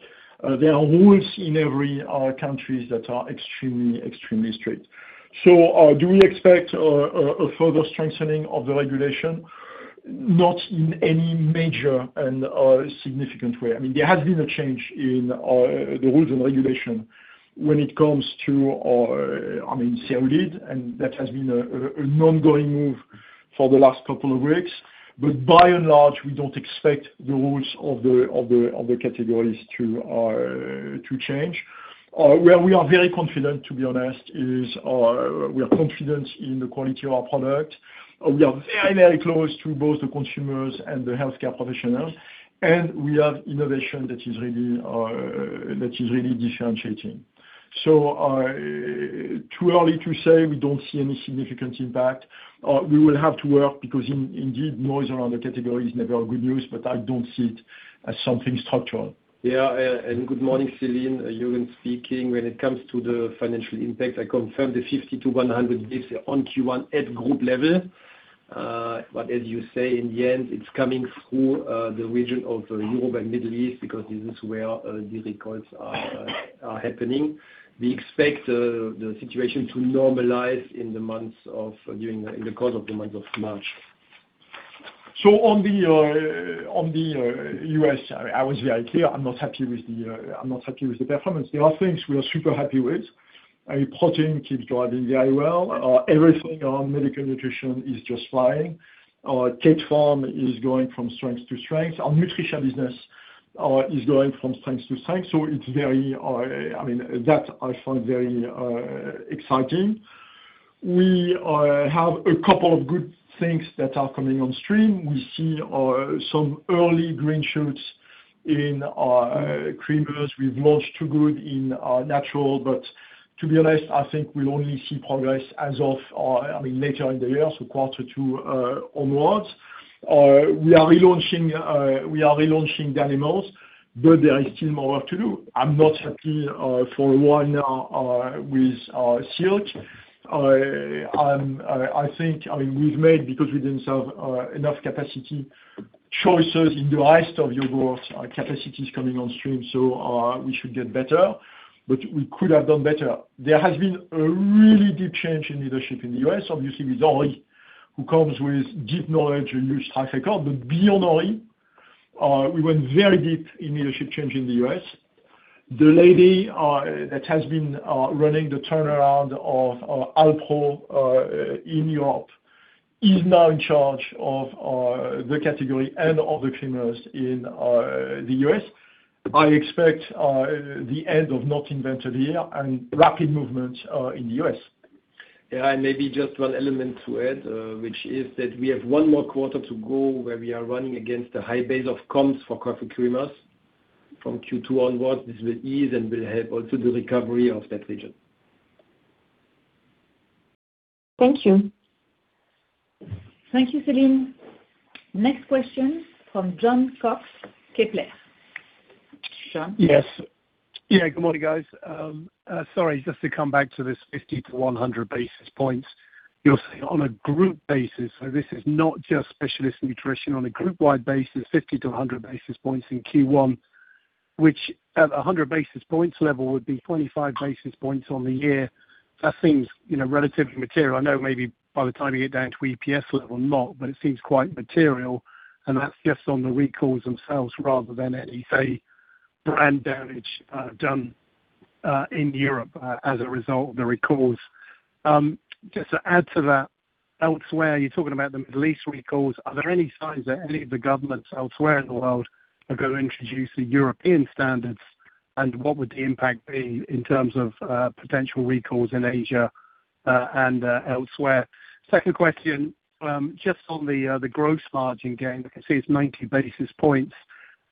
There are rules in every countries that are extremely, extremely strict. So, do we expect a further strengthening of the regulation? Not in any major and significant way. I mean, there has been a change in the rules and regulation when it comes to, I mean, CR lead, and that has been a, an ongoing move for the last couple of weeks. But by and large, we don't expect the rules of the, of the, of the categories to change. Where we are very confident, to be honest, is, we are confident in the quality of our product. We are very, very close to both the consumers and the healthcare professionals, and we have innovation that is really differentiating. So, too early to say, we don't see any significant impact. We will have to work because indeed, noise around the category is never good news, but I don't see it as something structural. Yeah, and good morning, Celine, Juergen speaking. When it comes to the financial impact, I confirm the 50-100 basis points on Q1 at group level. As you say, in the end, it's coming through the region of Europe and Middle East, because this is where the recalls are happening. We expect the situation to normalize in the course of the month of March. So on the U.S., I was very clear, I'm not happy with the performance. There are things we are super happy with, and protein keeps driving very well. Everything on medical nutrition is just flying. Our kefir is going from strength to strength. Our nutrition business is going from strength to strength, so it's very, I mean, that I find very exciting. We have a couple of good things that are coming on stream. We see some early green shoots in our creamers. We've launched Two Good in natural, but to be honest, I think we'll only see progress as of, I mean, later in the year, so quarter two onwards. We are relaunching Danimals, but there is still more work to do. I'm not happy, for one, with Silk. I think, I mean, we've made choices in the high end of yogurt capacities coming on stream because we didn't have enough capacity, so we should get better, but we could have done better. There has been a really big change in leadership in the U.S., obviously with Henri, who comes with deep knowledge and a rich track record. But beyond Henri, we went very deep in leadership change in the U.S. The lady that has been running the turnaround of Alpro in Europe is now in charge of the category and of the creamers in the U.S. I expect the end of not invented here, and rapid movement in the U.S. Yeah, maybe just one element to add, which is that we have one more quarter to go, where we are running against a high base of comps for coffee creamers. From Q2 onwards, this will ease and will help also the recovery of that region. Thank you. Thank you, Celine. Next question from Jon Cox, Kepler. Jon? Yes. Yeah, good morning, guys. Sorry, just to come back to this 50-100 basis points. You're saying on a group basis, so this is not just specialist nutrition, on a groupwide basis, 50-100 basis points in Q1, which at a 100 basis points level would be 25 basis points on the year. That seems, you know, relatively material. I know maybe by the time you get down to EPS level, not, but it seems quite material, and that's just on the recalls themselves rather than any, say, brand damage done in Europe as a result of the recalls. Just to add to that, elsewhere, you're talking about the Middle East recalls. Are there any signs that any of the governments elsewhere in the world are going to introduce the European standards, and what would the impact be in terms of potential recalls in Asia and elsewhere? Second question, just on the gross margin gain, I can see it's 90 basis points.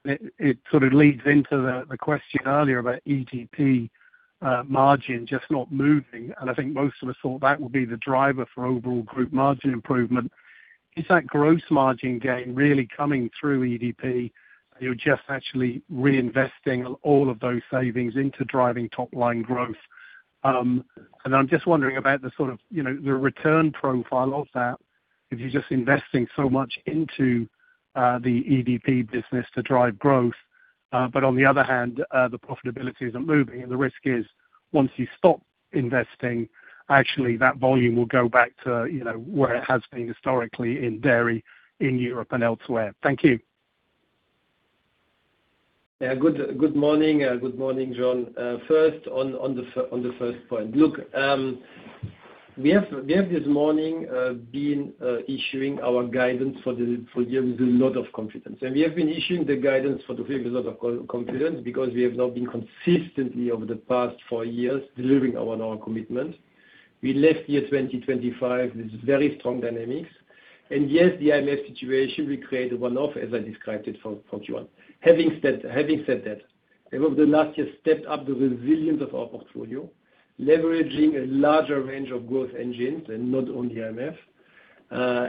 It sort of leads into the question earlier about EDP margin just not moving, and I think most of us thought that would be the driver for overall group margin improvement. Is that gross margin gain really coming through EDP, and you're just actually reinvesting all of those savings into driving top-line growth? I'm just wondering about the sort of, you know, the return profile of that, if you're just investing so much into the EDP business to drive growth, but on the other hand, the profitability isn't moving, and the risk is once you stop investing, actually that volume will go back to, you know, where it has been historically in dairy, in Europe and elsewhere. Thank you. Yeah, good morning, good morning, Jon. First, on the first point, look, we have, we have this morning been issuing our guidance for the year with a lot of confidence. And we have been issuing the guidance for the year with a lot of confidence, because we have now been consistently over the past four years delivering on our commitment. We left 2025 with very strong dynamics, and yes, the IMF situation will create a one-off, as I described it from Q1. Having said that, over the last year stepped up the resilience of our portfolio, leveraging a larger range of growth engines and not only IMF,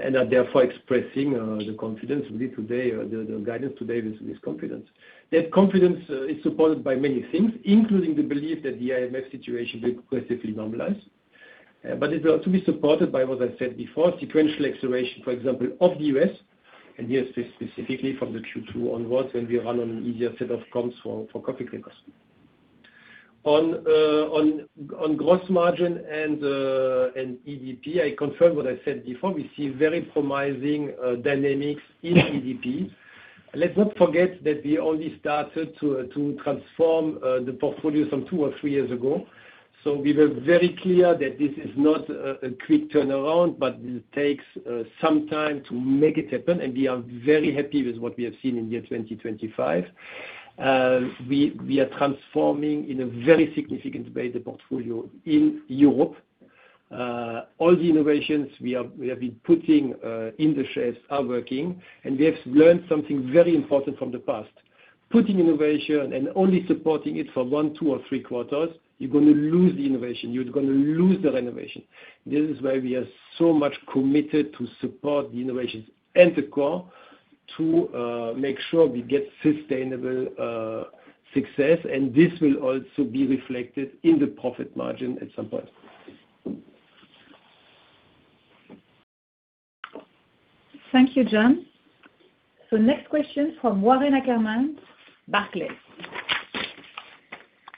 and are therefore expressing the confidence we give today or the guidance today with confidence. That confidence is supported by many things, including the belief that the IMF situation will progressively normalize. But it will also be supported by what I said before, sequential acceleration, for example, of the US, and yes, specifically from the Q2 onwards, when we run on an easier set of comps for coffee drinkers. On gross margin and EDP, I confirm what I said before, we see very promising dynamics in EDP. Let's not forget that we only started to transform the portfolio some two or three years ago. So we were very clear that this is not a quick turnaround, but it takes some time to make it happen, and we are very happy with what we have seen in the year 2025. We, we are transforming in a very significant way, the portfolio in Europe. All the innovations we are- we have been putting in the shelves are working, and we have learned something very important from the past. Putting innovation and only supporting it for one, two, or three quarters, you're going to lose the innovation. You're going to lose that innovation. This is why we are so much committed to support the innovations and the core to make sure we get sustainable success, and this will also be reflected in the profit margin at some point. Thank you, Jon. So next question from Warren Ackerman, Barclays.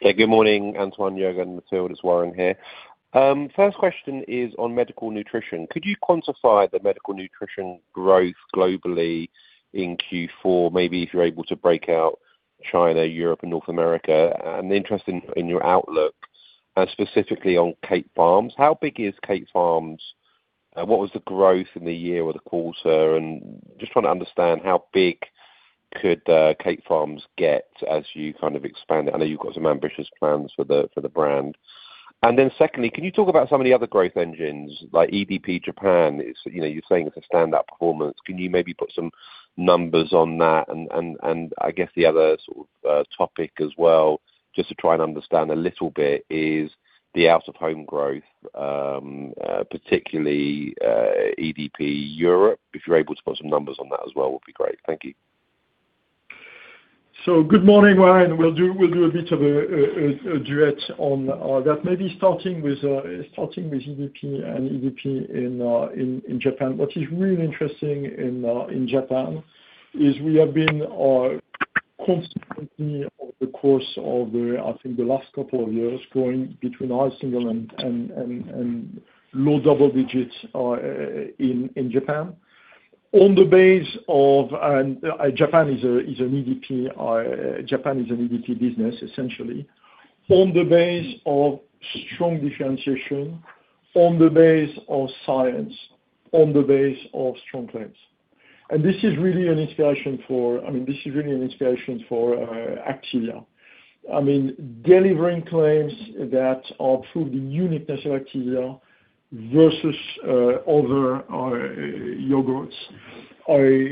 Yeah, good morning, Antoine, Juergen, and Mathilde, it's Warren here. First question is on medical nutrition. Could you quantify the medical nutrition growth globally in Q4? Maybe if you're able to break out China, Europe, and North America. I'm interested in your outlook, specifically on Kate Farms. How big is Kate Farms? What was the growth in the year or the quarter? And just trying to understand how big could Kate Farms get as you kind of expand it. I know you've got some ambitious plans for the brand. And then secondly, can you talk about some of the other growth engines, like EDP Japan? It's, you know, you're saying it's a standout performance. Can you maybe put some numbers on that? I guess the other sort of topic as well, just to try and understand a little bit, is the out of home growth, particularly, EDP Europe. If you're able to put some numbers on that as well, would be great. Thank you. So good morning, Warren. We'll do a bit of a duet on that, maybe starting with EDP and EDP in Japan. What is really interesting in Japan is we have been consequently over the course of the I think the last couple of years growing between high single and low double digits in Japan. On the base of and Japan is an EDP business essentially. On the base of strong differentiation on the base of science on the base of strong claims. And this is really an inspiration for I mean this is really an inspiration for Activia. I mean, delivering claims that are through the uniqueness of Activia versus other yogurts are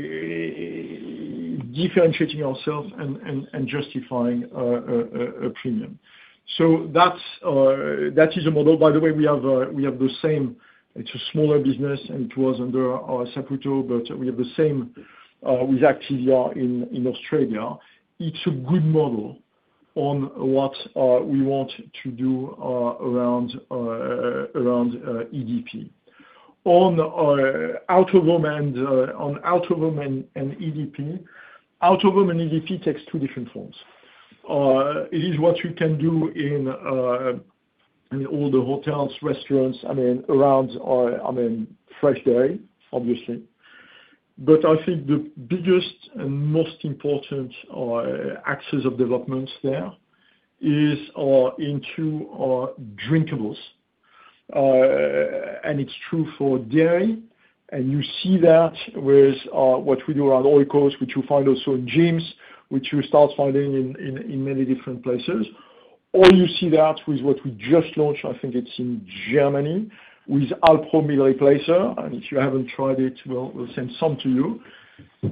differentiating ourselves and justifying a premium. That is a model, by the way. We have the same—it's a smaller business, and it was under a separate role, but we have the same with Activia in Australia. It's a good model on what we want to do around EDP. On out of home and on out of home and EDP, out of home and EDP takes two different forms. It is what you can do in all the hotels, restaurants, I mean, around, I mean, fresh dairy, obviously. I think the biggest and most important axis of developments there is into drinkables. And it's true for dairy, and you see that with what we do around Oikos, which you find also in gyms, which you start finding in many different places. Or you see that with what we just launched, I think it's in Germany, with Alpro Meal To Go, and if you haven't tried it, we'll send some to you.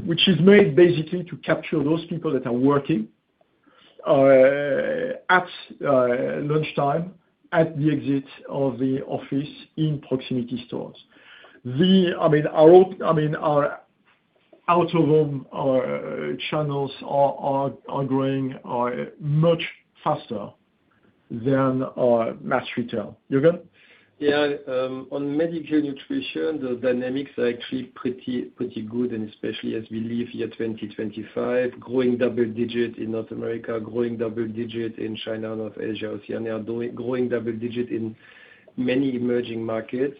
Which is made basically to capture those people that are working at lunchtime, at the exit of the office in proximity stores. I mean, our out-of-home channels are growing much faster than mass retail. Juergen? Yeah, on medical nutrition, the dynamics are actually pretty, pretty good, especially as we leave year 2025, growing double digit in North America, growing double digit in China and North Asia, Oceania, growing double digit in many emerging markets.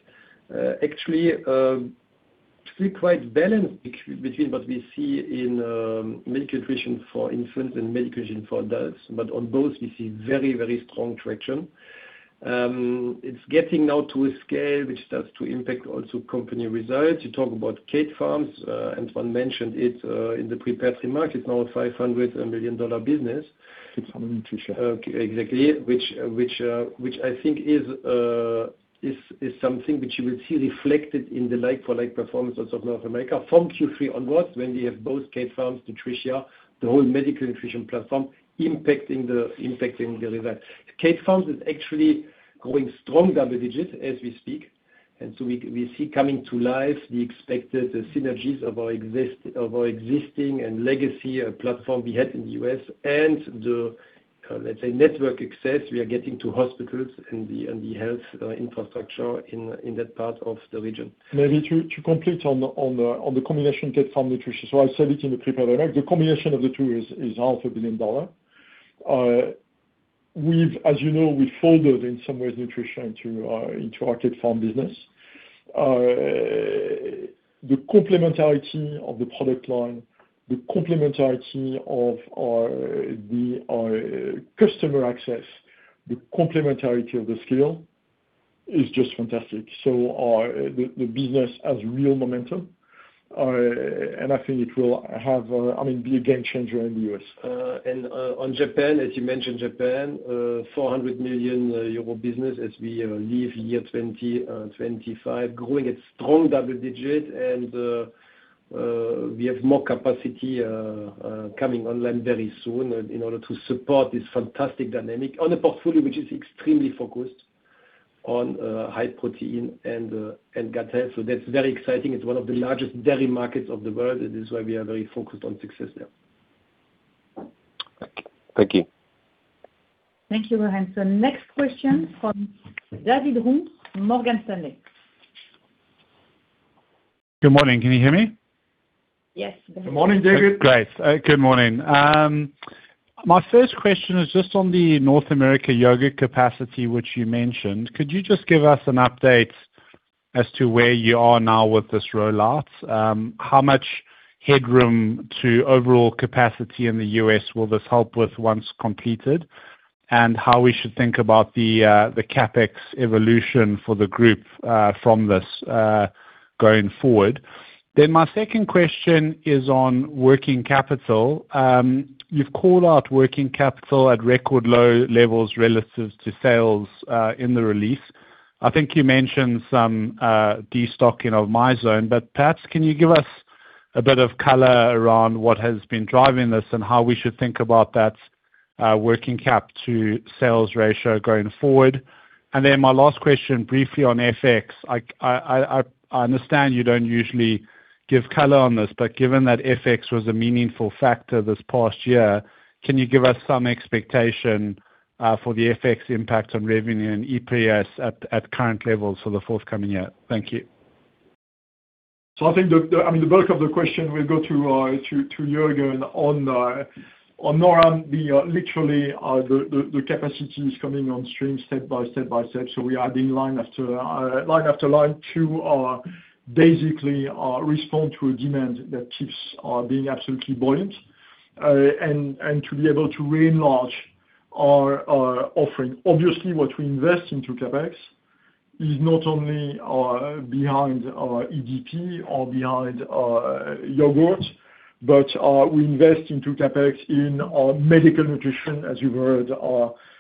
Actually, it's pretty quite balanced between what we see in medical nutrition for infants and medical nutrition for adults. On both, we see very, very strong traction. It's getting now to a scale which starts to impact also company results. You talk about Kate Farms, Antoine mentioned it in the prepared remarks. It's now a $500 million business. It's on nutrition. Okay, exactly. Which I think is something which you will see reflected in the like-for-like performance also of North America from Q3 onwards, when we have both Kate Farms, Nutrison, the whole medical nutrition platform impacting the result. Kate Farms is actually growing strong double digits as we speak, and so we see coming to life the expected synergies of our existing and legacy platform we had in the U.S. and the, let's say, network access. We are getting to hospitals and the health infrastructure in that part of the region. Maybe to complete on the combination Kate Farm Nutrition. I said it in the prepared remarks, the combination of the two is $500 million As you know, we folded in some ways, nutrition into our Kate Farm business. The complementarity of the product line, the complementarity of our customer access, the complementarity of the scale, is just fantastic. The business has real momentum, and I think it will have, I mean, be a game changer in the U.S. On Japan, as you mentioned, Japan is a 400 million euro business as we leave 2025, growing at strong double digits, and we have more capacity coming online very soon, in order to support this fantastic dynamic on a portfolio which is extremely focused on high protein and gut health. So that's very exciting. It's one of the largest dairy markets in the world, and this is why we are very focused on success there. Thank you. Thank you, Hans. The next question from David Roux, Morgan Stanley. Good morning. Can you hear me? Yes. Good morning, David. Great. Good morning. My first question is just on the North America yogurt capacity, which you mentioned. Could you just give us an update as to where you are now with this rollout? How much headroom to overall capacity in the U.S. will this help with once completed, and how we should think about the, the CapEx evolution for the group, from this, going forward? Then my second question is on working capital. You've called out working capital at record low levels relative to sales, in the release. I think you mentioned some, destocking of Mizone, but perhaps can you give us a bit of color around what has been driving this, and how we should think about that, working cap to sales ratio going forward? And then my last question, briefly on FX. I understand you don't usually give color on this, but given that FX was a meaningful factor this past year, can you give us some expectation for the FX impact on revenue and EPS at current levels for the forthcoming year? Thank you. So I think the, I mean, the bulk of the question will go to, to Juergen on, on North America, we are literally, the capacity is coming on stream step by step by step. So we are adding line after, line after line to, basically, respond to a demand that keeps, being absolutely buoyant, and, and to be able to relaunch our, offering. Obviously, what we invest into CapEx is not only, behind our EDP or behind our yogurt, but, we invest into CapEx in our medical nutrition, as you heard,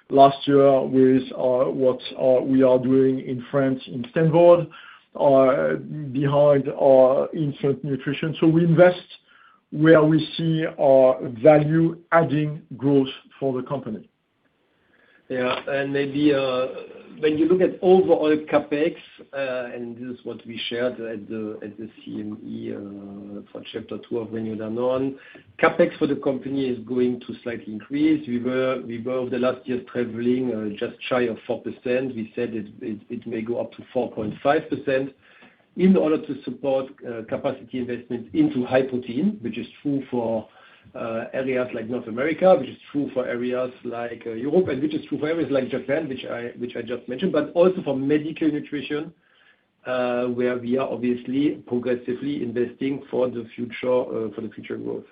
last year with, what, we are doing in France, in Steenvoorde, behind our infant nutrition. So we invest where we see, value adding growth for the company. Yeah, and maybe when you look at overall CapEx, and this is what we shared at the CME for Chapter 2 of Renew Danone, CapEx for the company is going to slightly increase. We were over the last year traveling just shy of 4%. We said it may go up to 4.5% in order to support capacity investment into high protein, which is true for areas like North America, which is true for areas like Europe, and which is true for areas like Japan, which I just mentioned, but also for medical nutrition, where we are obviously progressively investing for the future for the future growth.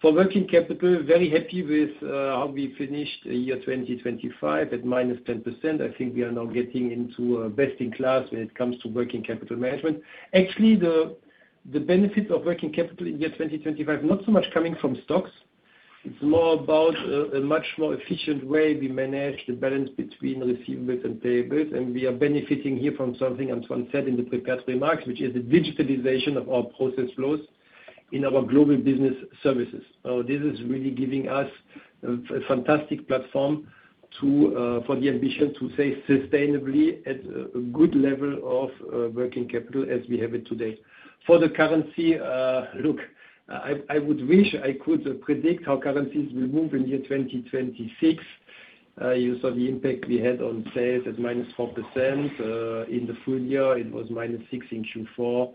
For working capital, very happy with how we finished the year 2025 at -10%. I think we are now getting into best in class when it comes to working capital management. Actually, the benefits of working capital in the year 2025, not so much coming from stocks. It's more about a much more efficient way we manage the balance between receivables and payables, and we are benefiting here from something Antoine said in the prepared remarks, which is the digitalization of our process flows in our Global Business Services. So this is really giving us a fantastic platform for the ambition to stay sustainably at a good level of working capital as we have it today. For the currency, look, I would wish I could predict how currencies will move in the year 2026. You saw the impact we had on sales at -4%, in the full year it was -6% in Q4.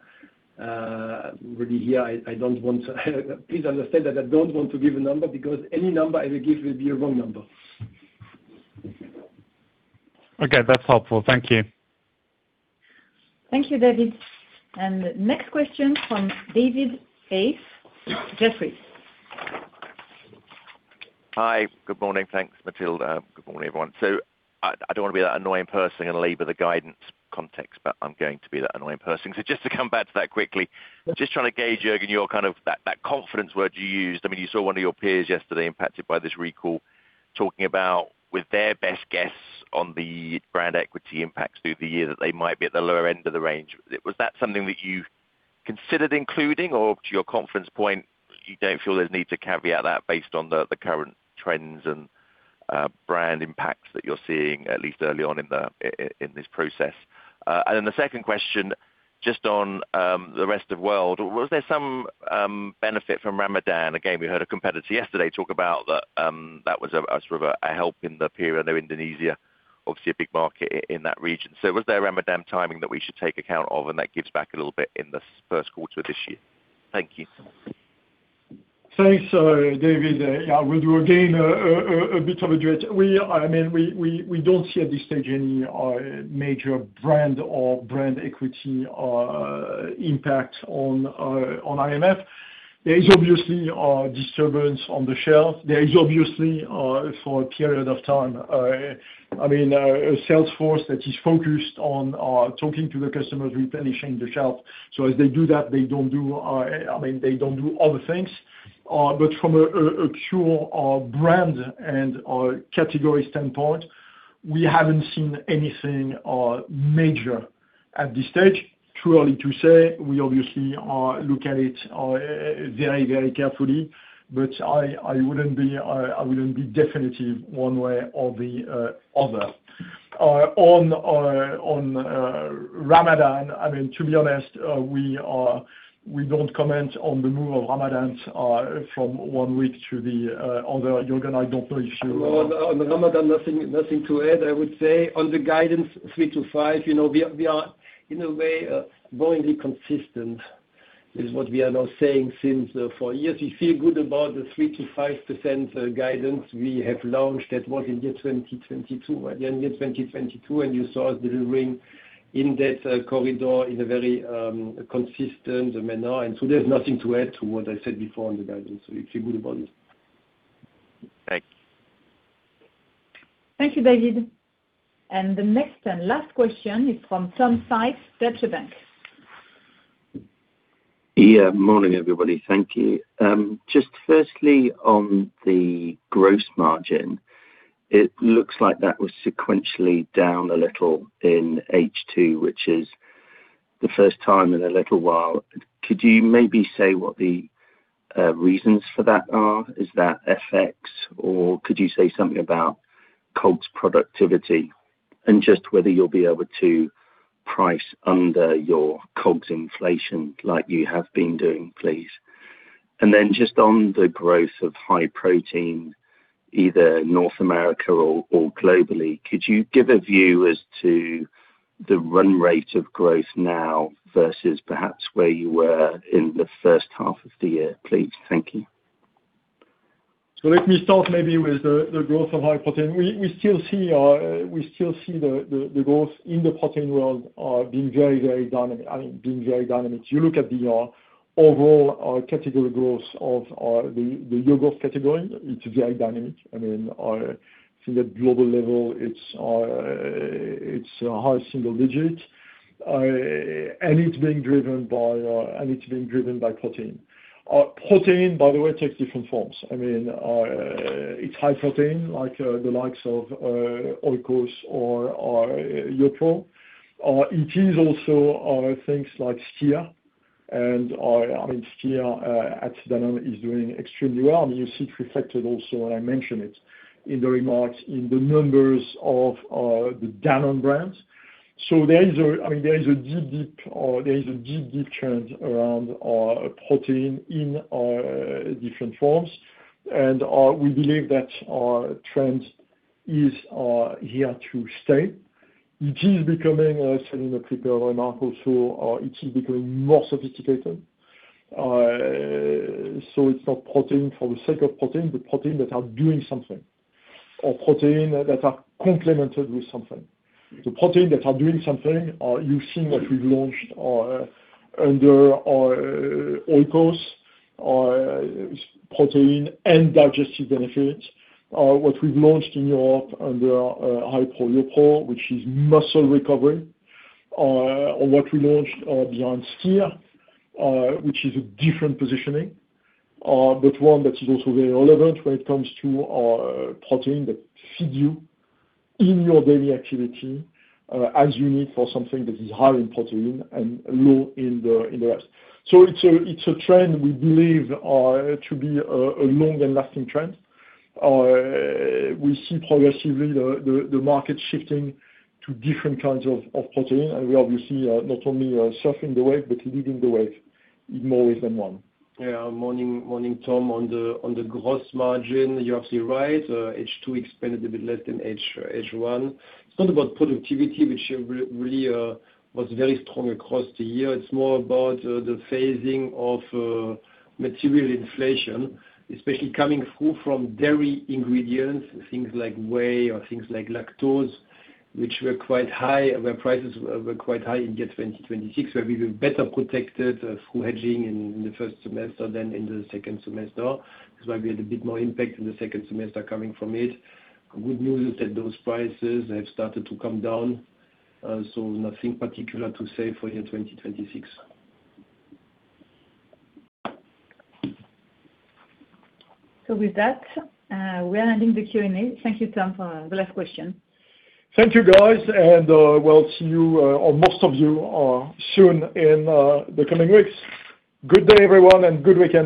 Really here I, I don't want to, please understand that I don't want to give a number, because any number I will give will be a wrong number. Okay, that's helpful. Thank you. Thank you, David. The next question from David Hayes, Jefferies. Hi. Good morning. Thanks, Mathilde. Good morning, everyone. So I don't wanna be that annoying person and labor the guidance context, but I'm going to be that annoying person. So just to come back to that quickly, just trying to gauge, Juergen, your kind of that confidence word you used. I mean, you saw one of your peers yesterday impacted by this recall, talking about with their best guess on the brand equity impacts through the year, that they might be at the lower end of the range. Was that something that you considered including, or to your confidence point, you don't feel there's need to caveat that based on the current trends and brand impacts that you're seeing, at least early on in this process? And then the second question, just on the rest of world, was there some benefit from Ramadan? Again, we heard a competitor yesterday talk about that, that was a sort of help in the period, I know Indonesia, obviously a big market in that region. So was there Ramadan timing that we should take account of, and that gives back a little bit in this first quarter of this year? Thank you. Thanks, David. Yeah, we'll do again a bit of a direct. We, I mean, we don't see at this stage any major brand or brand equity impact on IMF. There is obviously a disturbance on the shelf. There is obviously, for a period of time, I mean, a sales force that is focused on talking to the customers, replenishing the shelf. So as they do that, they don't do, I mean, they don't do other things. But from a pure brand and or category standpoint, we haven't seen anything major at this stage. Too early to say, we obviously look at it very, very carefully, but I wouldn't be definitive one way or the other. On Ramadan, I mean, to be honest, we don't comment on the move of Ramadan from one week to the other. Juergen, I don't know if you- Well, on the Ramadan, nothing, nothing to add, I would say. On the guidance three to five, you know, we are, we are in a way, ongoingly consistent, is what we are now saying since, four years. We feel good about the 3%-5% guidance we have launched at what, in the 2022, at the end of 2022, and you saw us delivering in that, corridor in a very, consistent manner. And so there's nothing to add to what I said before on the guidance, so it's a good point. Thank you. Thank you, David. The next and last question is from Tom Sykes, Deutsche Bank. Yeah, morning, everybody. Thank you. Just firstly, on the gross margin, it looks like that was sequentially down a little in H2, which is the first time in a little while. Could you maybe say what the reasons for that are? Is that FX, or could you say something about COGS productivity, and just whether you'll be able to price under your COGS inflation like you have been doing, please? And then just on the growth of high protein, either North America or globally, could you give a view as to the run rate of growth now versus perhaps where you were in the first half of the year, please? Thank you. So let me start maybe with the growth of high protein. We still see the growth in the protein world being very, very dynamic, I mean, being very dynamic. You look at the overall category growth of the yogurt category, it's very dynamic. I mean, from a global level, it's a high single digits, and it's being driven by protein. Protein, by the way, takes different forms. I mean, it's high protein, like the likes of Oikos or YoPRO. It is also things like Stevia and, I mean, Stevia at Danone is doing extremely well. I mean, you see it reflected also, and I mentioned it in the remarks, in the numbers of the Danone brands. So there is a deep, deep trend around protein in different forms. And we believe that trends is here to stay. It is becoming certainly a quicker remark also, it is becoming more sophisticated. So it's not protein for the sake of protein, but protein that are doing something, or protein that are complemented with something. The protein that are doing something, you've seen what we've launched under our Oikos protein and digestive benefits. What we've launched in Europe under HiPRO, YoPRO, which is muscle recovery, or what we launched behind Stevia, which is a different positioning, but one that is also very relevant when it comes to protein that feed you in your daily activity, as you need for something that is high in protein and low in the rest. It's a trend we believe to be a long and lasting trend. We see progressively the market shifting to different kinds of protein, and we obviously are not only surfing the wave, but leading the wave in more ways than one. Yeah. Morning, Morning, Tom. On the, on the gross margin, you're absolutely right, H2 expanded a bit less than H1. It's not about productivity, which really was very strong across the year. It's more about the phasing of material inflation, especially coming through from dairy ingredients, things like whey or things like lactose, which were quite high, where prices were quite high in 2026, where we were better protected through hedging in the first semester than in the second semester. This might be a bit more impact in the second semester coming from it. Good news is that those prices have started to come down, so nothing particular to say for 2026. So with that, we are ending the Q&A. Thank you, Tom, for the last question. Thank you, guys, and we'll see you, or most of you, soon in the coming weeks. Good day, everyone, and good weekend.